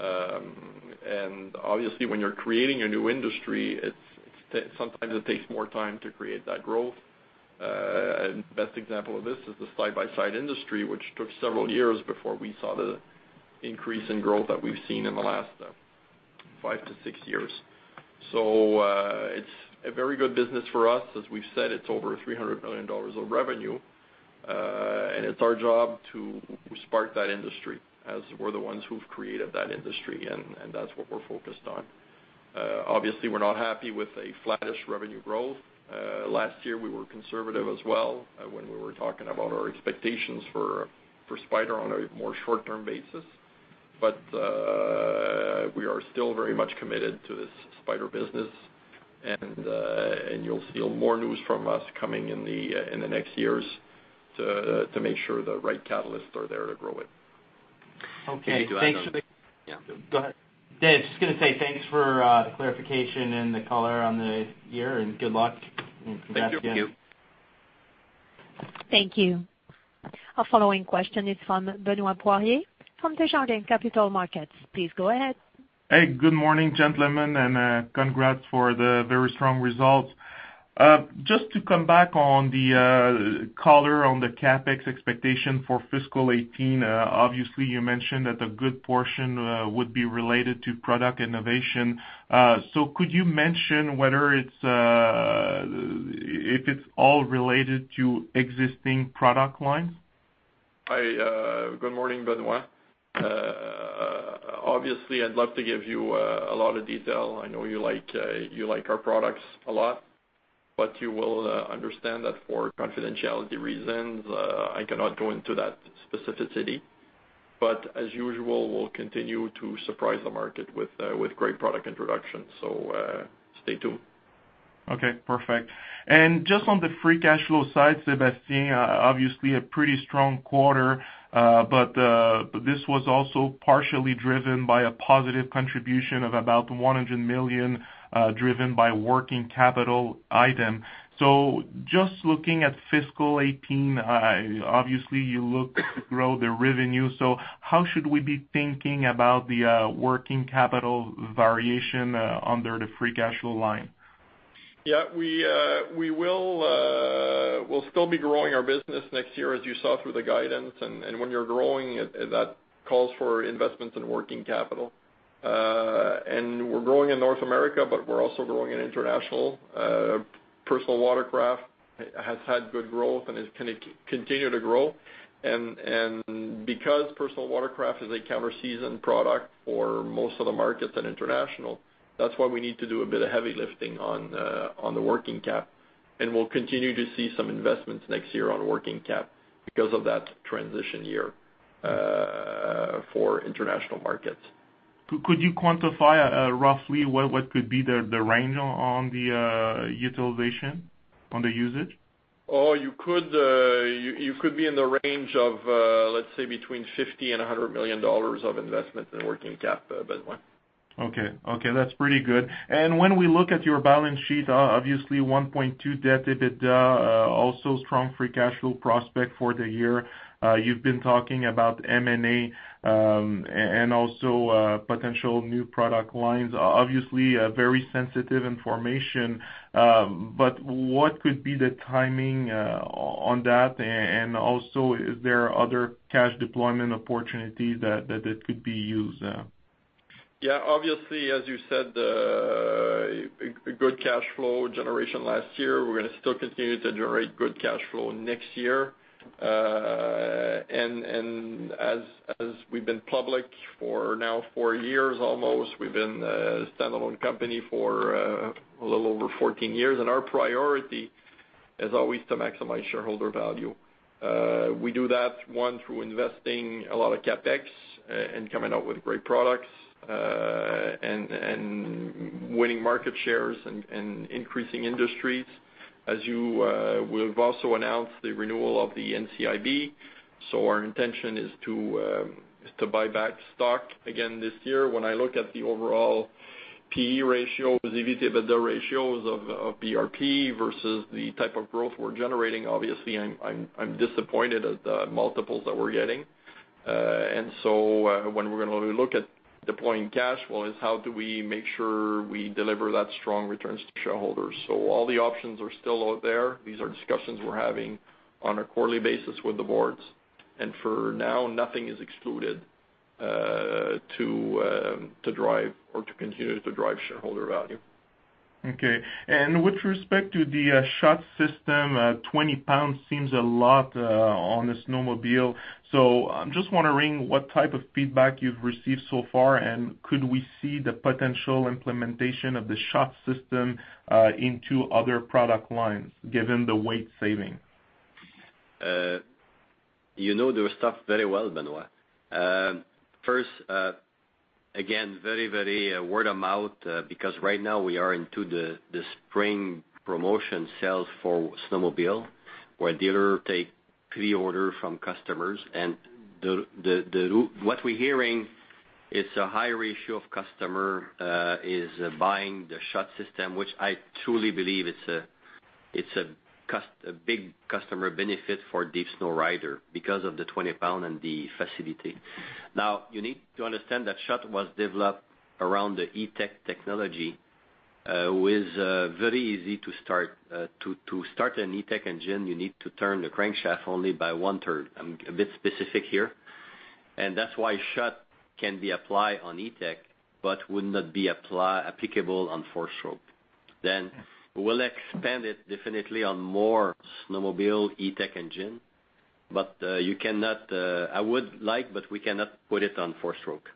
Obviously, when you're creating a new industry, sometimes it takes more time to create that growth. Best example of this is the side-by-side industry, which took several years before we saw the increase in growth that we've seen in the last five to six years. It's a very good business for us. As we've said, it's over 300 million dollars of revenue. It's our job to spark that industry, as we're the ones who've created that industry. That's what we're focused on. Obviously, we're not happy with a flattish revenue growth. Last year we were conservative as well when we were talking about our expectations for Spyder on a more short-term basis. We are still very much committed to this Spyder business. You'll see more news from us coming in the next years to make sure the right catalysts are there to grow it. Okay. Thanks for the. Yeah. Go ahead. Dave, just going to say thanks for the clarification and the color on the year, and good luck, and congrats again. Thank you. Thank you. Our following question is from Benoit Poirier from Desjardins Capital Markets. Please go ahead. Hey, good morning, gentlemen, and congrats for the very strong results. Just to come back on the color on the CapEx expectation for fiscal 2018. Obviously, you mentioned that a good portion would be related to product innovation. Could you mention whether if it's all related to existing product lines? Hi, good morning, Benoit. I'd love to give you a lot of detail. I know you like our products a lot, you will understand that for confidentiality reasons, I cannot go into that specificity. As usual, we'll continue to surprise the market with great product introductions. Stay tuned. Okay, perfect. Just on the free cash flow side, Sébastien, obviously a pretty strong quarter. This was also partially driven by a positive contribution of about 100 million, driven by working capital item. Just looking at fiscal 2018, obviously, you look to grow the revenue. How should we be thinking about the working capital variation under the free cash flow line? We'll still be growing our business next year, as you saw through the guidance. When you're growing, that calls for investments in working capital. We're growing in North America, but we're also growing in international. Personal Watercraft has had good growth and it's going to continue to grow. Because Personal Watercraft is a counter-season product for most of the markets at international, that's why we need to do a bit of heavy lifting on the working cap. We'll continue to see some investments next year on working cap because of that transition year for international markets. Could you quantify roughly what could be the range on the utilization on the usage? Oh, you could be in the range of, let's say, between 50 million and 100 million dollars of investment in working cap, Benoit. Okay. That's pretty good. When we look at your balance sheet, obviously 1.2 debt EBITDA, also strong free cash flow prospect for the year. You've been talking about M&A, also potential new product lines. Obviously, very sensitive information. What could be the timing on that? Also, is there other cash deployment opportunities that it could be used? Yeah. Obviously, as you said, a good cash flow generation last year. We're going to still continue to generate good cash flow next year. As we've been public for now four years almost, we've been a standalone company for a little over 14 years, our priority is always to maximize shareholder value. We do that, one, through investing a lot of CapEx and coming out with great products, winning market shares and increasing industries. We've also announced the renewal of the NCIB. Our intention is to buy back stock again this year. When I look at the overall P/E ratio, the EBITDA ratios of BRP versus the type of growth we're generating, obviously, I'm disappointed at the multiples that we're getting. When we're going to look at deploying cash flow is how do we make sure we deliver that strong returns to shareholders. All the options are still out there. These are discussions we're having on a quarterly basis with the boards. For now, nothing is excluded to drive or to continue to drive shareholder value. Okay. With respect to the SHOT system, 20 pounds seems a lot on a snowmobile. I'm just wondering what type of feedback you've received so far, and could we see the potential implementation of the SHOT system into other product lines, given the weight saving? You know the stuff very well, Benoit. First, again, very word of mouth, because right now we are into the spring promotion sales for snowmobile, where dealer take pre-order from customers. What we're hearing, it's a higher ratio of customer is buying the SHOT system, which I truly believe it's a big customer benefit for deep snow rider because of the 20 pounds and the facility. You need to understand that SHOT was developed around the E-TEC technology, with very easy to start. To start an E-TEC engine, you need to turn the crankshaft only by one-third. I'm a bit specific here. That's why SHOT can be applied on E-TEC but would not be applicable on four-stroke. We'll expand it definitely on more snowmobile E-TEC engine. I would like, we cannot put it on four-stroke.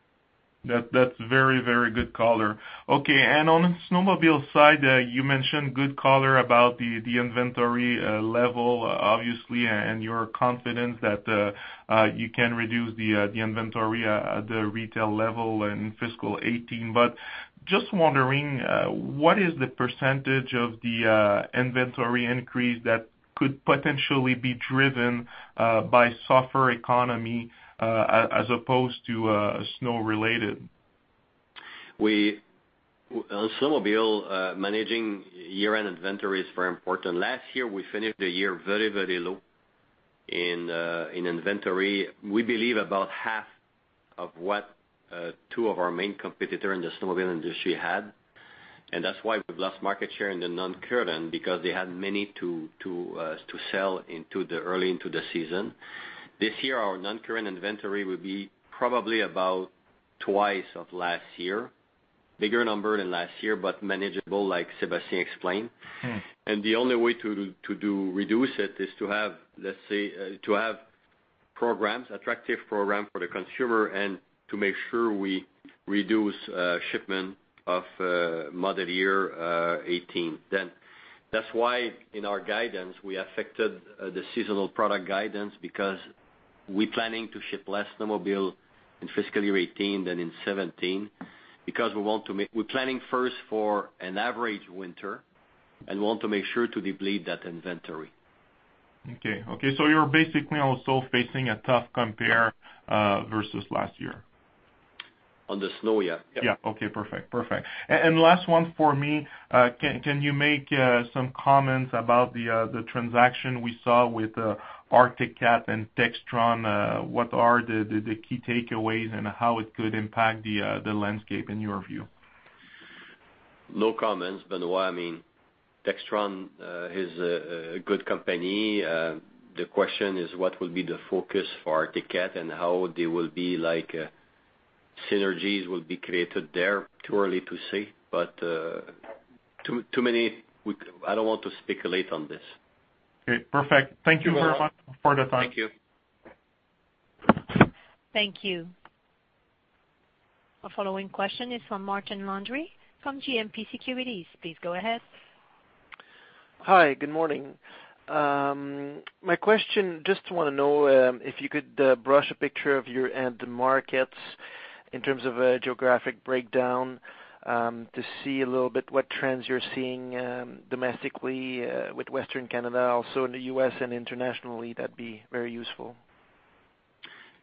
That's very good color. Okay. On the snowmobile side, you mentioned good color about the inventory level, obviously, and you're confident that you can reduce the inventory at the retail level in fiscal 2018. Just wondering, what is the % of the inventory increase that could potentially be driven by softer economy, as opposed to snow related? On snowmobile, managing year-end inventory is very important. Last year, we finished the year very low in inventory. We believe about half of what two of our main competitor in the snowmobile industry had. That's why we've lost market share in the non-current, because they had many to sell early into the season. This year, our non-current inventory will be probably about twice of last year. Bigger number than last year, but manageable, like Sébastien explained. The only way to reduce it is to have, let's say, attractive program for the consumer and to make sure we reduce shipment of model year 2018. That's why in our guidance, we affected the seasonal product guidance because we're planning to ship less snowmobile in fiscal year 2018 than in 2017, because we're planning first for an average winter, and we want to make sure to deplete that inventory. Okay. You're basically also facing a tough compare versus last year. On the snow, yeah. Yeah. Okay, perfect. Last one for me. Can you make some comments about the transaction we saw with Arctic Cat and Textron? What are the key takeaways and how it could impact the landscape in your view? No comments, Benoit. Textron is a good company. The question is what will be the focus for Arctic Cat and how they will be like, synergies will be created there. Too early to say, but too many I don't want to speculate on this. Okay, perfect. Thank you very much for the time. Thank you. Thank you. Our following question is from Martin Landry from GMP Securities. Please go ahead. Hi. Good morning. My question, just want to know if you could paint a picture of your end markets in terms of a geographic breakdown, to see a little bit what trends you're seeing domestically with Western Canada, also in the U.S. and internationally, that'd be very useful.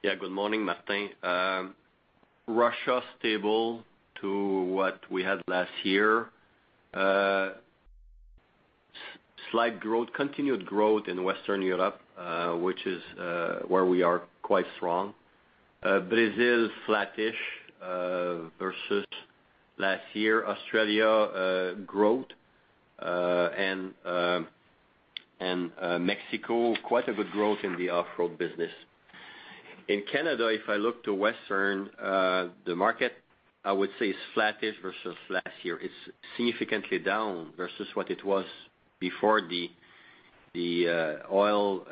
Yeah. Good morning, Martin. Russia, stable to what we had last year. Slight growth, continued growth in Western Europe, which is where we are quite strong. Brazil, flattish versus last year. Australia, growth, Mexico, quite a good growth in the off-road business. In Canada, if I look to Western, the market, I would say is flattish versus last year. It's significantly down versus what it was before the oil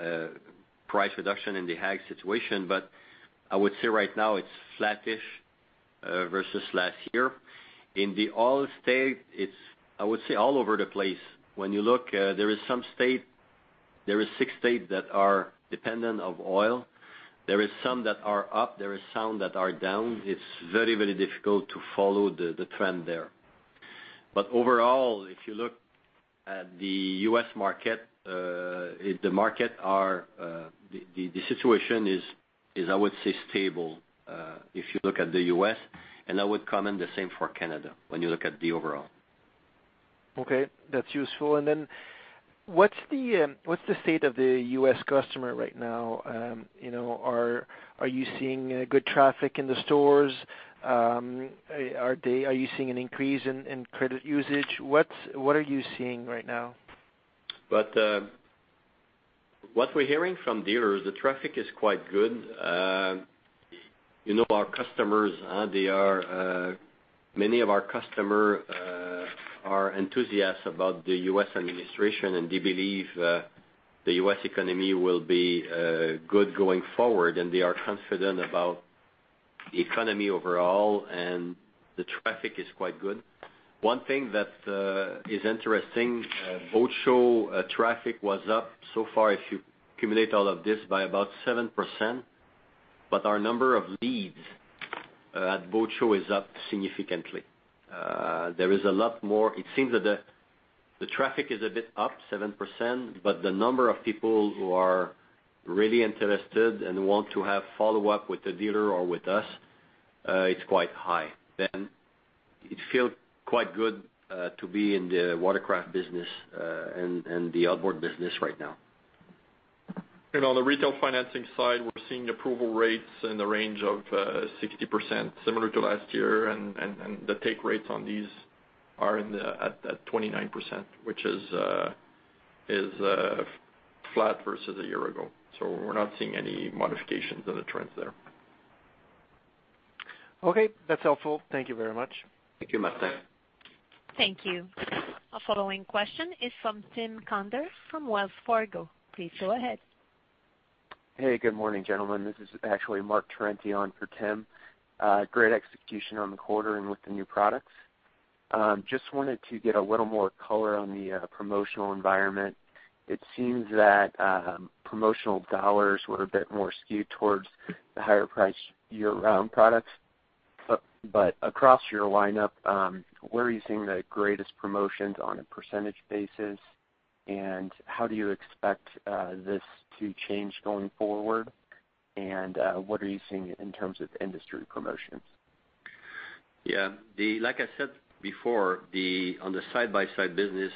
price reduction and the high situation. I would say right now it's flattish versus last year. In the oil state, it's, I would say, all over the place. When you look, there is six states that are dependent of oil. There is some that are up, there is some that are down. It's very difficult to follow the trend there. Overall, if you look at the U.S. market, the situation is, I would say, stable, if you look at the U.S., I would comment the same for Canada when you look at the overall. Okay, that's useful. Then what's the state of the U.S. customer right now? Are you seeing good traffic in the stores? Are you seeing an increase in credit usage? What are you seeing right now? What we're hearing from dealers, the traffic is quite good. Many of our customer are enthusiastic about the U.S. administration. They believe the U.S. economy will be good going forward. They are confident about the economy overall. The traffic is quite good. One thing that is interesting, boat show traffic was up so far, if you accumulate all of this, by about 7%. Our number of leads at boat show is up significantly. There is a lot more. It seems that the traffic is a bit up 7%, but the number of people who are really interested and want to have follow-up with the dealer or with us, it's quite high. It feel quite good to be in the watercraft business, and the outboard business right now. On the retail financing side, we're seeing approval rates in the range of 60%, similar to last year. The take rates on these are at 29%, which is flat versus a year ago. We're not seeing any modifications in the trends there. Okay, that's helpful. Thank you very much. Thank you, Martin. Thank you. Our following question is from Tim Conder from Wells Fargo. Please go ahead. Hey, good morning, gentlemen. This is actually John Trentini for Tim. Great execution on the quarter and with the new products. Just wanted to get a little more color on the promotional environment. It seems that promotional dollars were a bit more skewed towards the higher priced year-round products. Across your lineup, where are you seeing the greatest promotions on a percentage basis, and how do you expect this to change going forward? What are you seeing in terms of industry promotions? Like I said before, on the side-by-side business,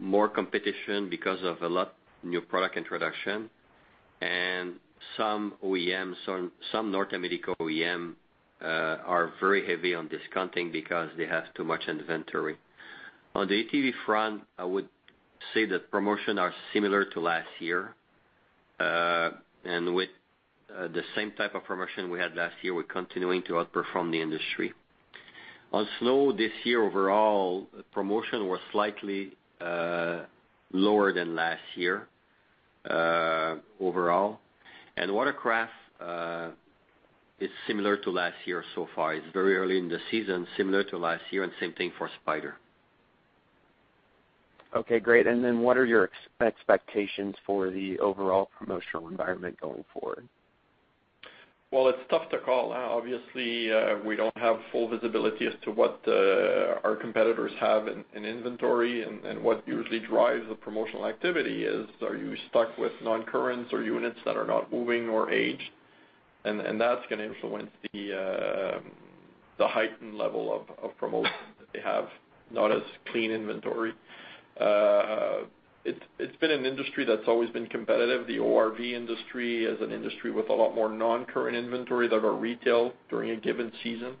more competition because of a lot new product introduction, and some North American OEM are very heavy on discounting because they have too much inventory. On the ATV front, I would say that promotion are similar to last year. With the same type of promotion we had last year, we're continuing to outperform the industry. On snow this year overall, promotion was slightly lower than last year overall, and Watercraft is similar to last year so far. It's very early in the season, similar to last year, and same thing for Spyder. Okay, great. What are your expectations for the overall promotional environment going forward? It's tough to call. Obviously, we don't have full visibility as to what our competitors have in inventory. What usually drives the promotional activity is, are you stuck with non-current or units that are not moving or aged? That's going to influence the heightened level of promotions that they have, not as clean inventory. It's been an industry that's always been competitive. The ORV industry is an industry with a lot more non-current inventory that are retailed during a given season,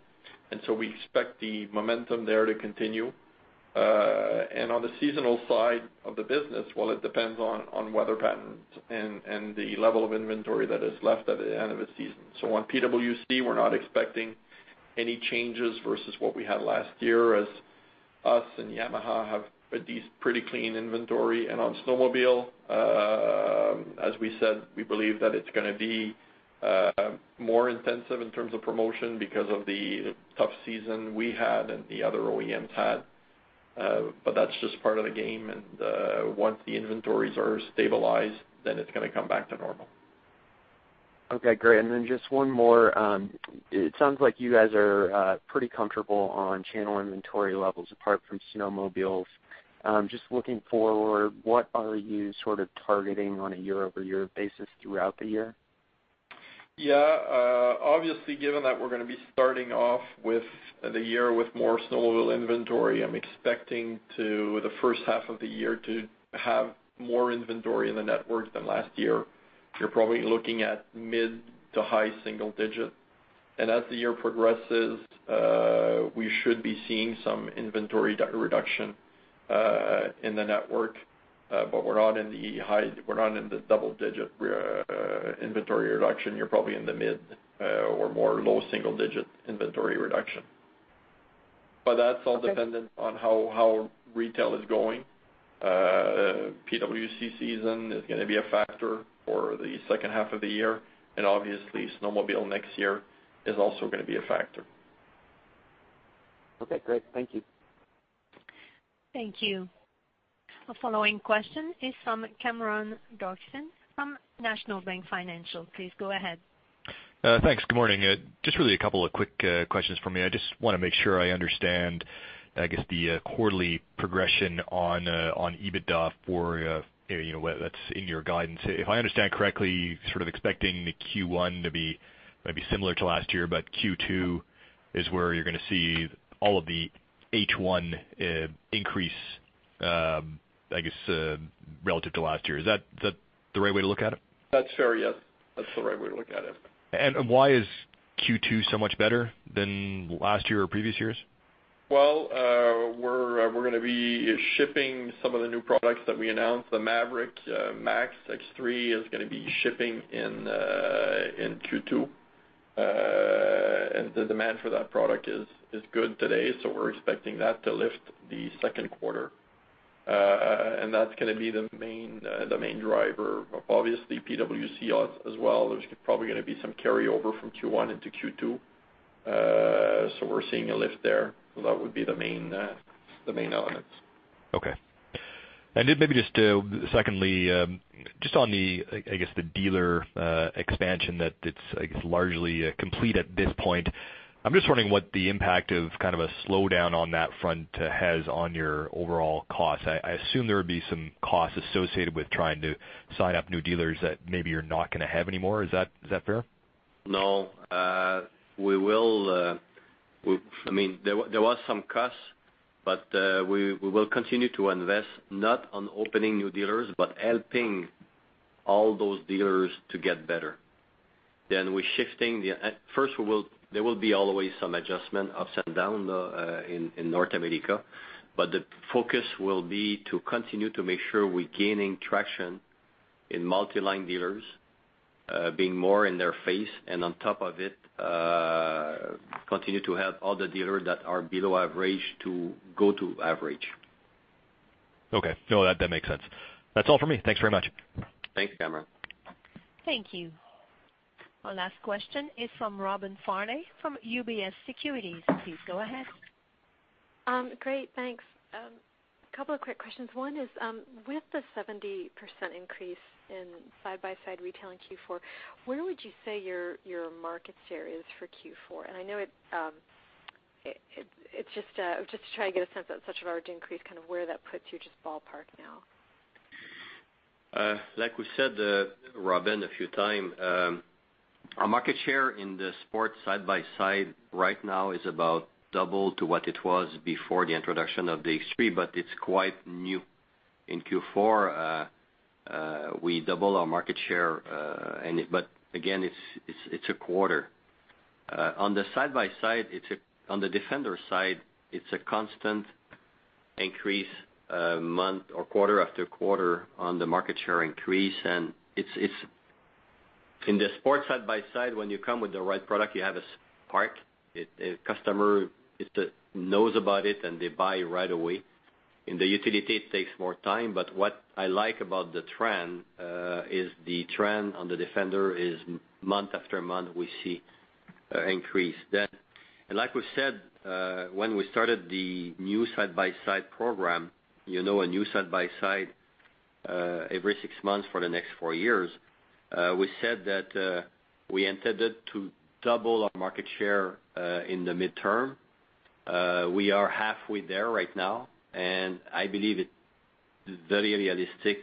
we expect the momentum there to continue. On the seasonal side of the business, well, it depends on weather patterns and the level of inventory that is left at the end of a season. On PWC, we're not expecting any changes versus what we had last year as us and Yamaha have pretty clean inventory. On snowmobile, as we said, we believe that it's going to be more intensive in terms of promotion because of the tough season we had and the other OEMs had. That's just part of the game, once the inventories are stabilized, it's going to come back to normal. Okay, great. Just one more. It sounds like you guys are pretty comfortable on channel inventory levels apart from snowmobiles. Just looking forward, what are you sort of targeting on a year-over-year basis throughout the year? Yeah. Obviously, given that we're going to be starting off the year with more snowmobile inventory, I'm expecting the first half of the year to have more inventory in the network than last year. You're probably looking at mid to high single digit. As the year progresses, we should be seeing some inventory reduction in the network. We're not in the double-digit inventory reduction. You're probably in the mid or more low single-digit inventory reduction. That's all dependent on how retail is going. PWC season is going to be a factor for the second half of the year, obviously snowmobile next year is also going to be a factor. Okay, great. Thank you. Thank you. The following question is from Cameron Doerksen from National Bank Financial. Please go ahead. Thanks. Good morning. Just really a couple of quick questions from me. I just want to make sure I understand, I guess, the quarterly progression on EBITDA for what that's in your guidance. If I understand correctly, sort of expecting the Q1 to be maybe similar to last year, but Q2 is where you're going to see all of the H1 increase, I guess, relative to last year. Is that the right way to look at it? That's fair. Yes. That's the right way to look at it. Why is Q2 so much better than last year or previous years? Well, we're going to be shipping some of the new products that we announced. The Maverick X3 MAX is going to be shipping in Q2. The demand for that product is good today, so we're expecting that to lift the second quarter. That's going to be the main driver. Obviously, PWC as well, there's probably going to be some carryover from Q1 into Q2. We're seeing a lift there. That would be the main elements. Okay. Then maybe just secondly, just on the, I guess, the dealer expansion that it's largely complete at this point. I'm just wondering what the impact of kind of a slowdown on that front has on your overall cost. I assume there would be some costs associated with trying to sign up new dealers that maybe you're not going to have anymore. Is that fair? No. There was some cost, but we will continue to invest, not on opening new dealers, but helping all those dealers to get better. First, there will be always some adjustment, ups and down in North America, but the focus will be to continue to make sure we're gaining traction in multi-line dealers, being more in their face, and on top of it, continue to help all the dealers that are below average to go to average. Okay. No, that makes sense. That's all for me. Thanks very much. Thanks, Cameron. Thank you. Our last question is from Robin Farley from UBS Securities. Please go ahead. Great. Thanks. Couple of quick questions. One is, with the 70% increase in side-by-side retail in Q4, where would you say your market share is for Q4? Just to try and get a sense that such a large increase, kind of where that puts you, just ballpark now. Like we said, Robin, a few times, our market share in the sport side-by-side right now is about double to what it was before the introduction of the X3, but it's quite new. In Q4, we double our market share, but again, it's a quarter. On the side-by-side, on the Defender side, it's a constant increase month or quarter after quarter on the market share increase. In the sport side-by-side, when you come with the right product, you have a spark. A customer knows about it, and they buy right away. In the utility, it takes more time. What I like about the trend is the trend on the Defender is month after month, we see increase. Like we said, when we started the new side-by-side program, a new side-by-side every six months for the next four years, we said that we intended to double our market share in the midterm. We are halfway there right now, and I believe it's very realistic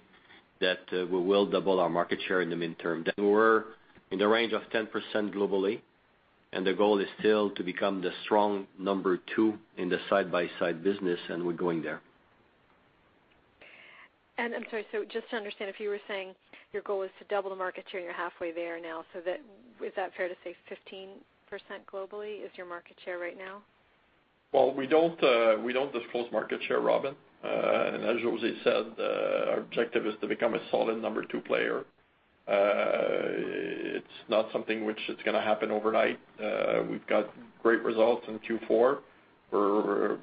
that we will double our market share in the midterm. We're in the range of 10% globally, the goal is still to become the strong number two in the side-by-side business, we're going there. I'm sorry, just to understand, if you were saying your goal is to double the market share and you're halfway there now, is that fair to say 15% globally is your market share right now? Well, we don't disclose market share, Robin. As José said, our objective is to become a solid number two player. It's not something which it's going to happen overnight. We've got great results in Q4. We're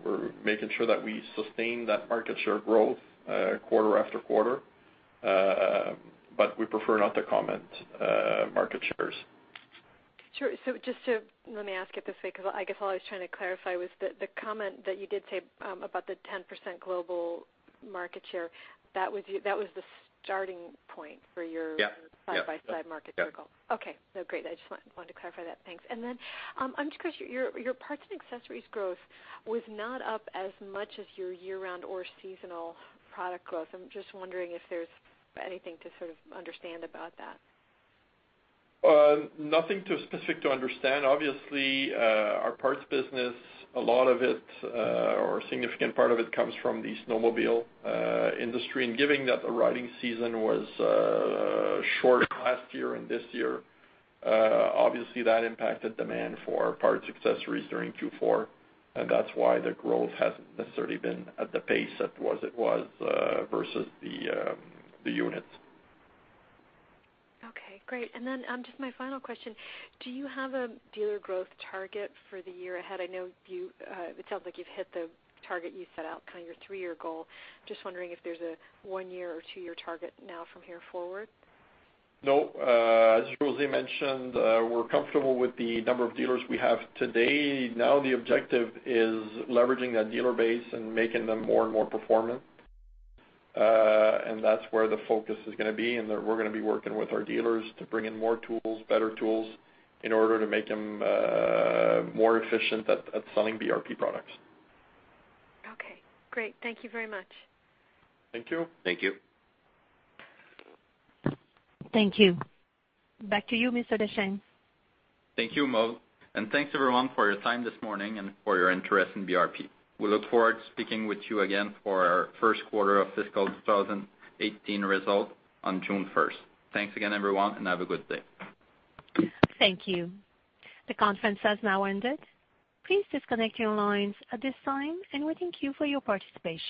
making sure that we sustain that market share growth quarter after quarter. We prefer not to comment market shares. Sure. Let me ask it this way, because I guess all I was trying to clarify was the comment that you did say about the 10% global market share. That was the starting point for your- Yeah. -side-by-side market share goal. Yeah. Okay. No, great. I just wanted to clarify that. Thanks. I'm curious, your parts and accessories growth was not up as much as your year-round or seasonal product growth. I'm just wondering if there's anything to sort of understand about that. Nothing too specific to understand. Obviously, our parts business, a lot of it or a significant part of it comes from the snowmobile industry. Given that the riding season was short last year and this year, obviously that impacted demand for parts accessories during Q4, and that's why the growth hasn't necessarily been at the pace it was versus the units. Okay, great. Just my final question. Do you have a dealer growth target for the year ahead? I know it sounds like you've hit the target you set out, kind of your three-year goal. Just wondering if there's a one-year or two-year target now from here forward. No. As José mentioned, we're comfortable with the number of dealers we have today. The objective is leveraging that dealer base and making them more and more performant. That's where the focus is going to be, and that we're going to be working with our dealers to bring in more tools, better tools, in order to make them more efficient at selling BRP products. Okay, great. Thank you very much. Thank you. Thank you. Thank you. Back to you, Mr. Deschênes. Thank you, Maude. Thanks, everyone, for your time this morning and for your interest in BRP. We look forward to speaking with you again for our first quarter of fiscal 2018 results on June 1st. Thanks again, everyone, and have a good day. Thank you. The conference has now ended. Please disconnect your lines at this time, and we thank you for your participation.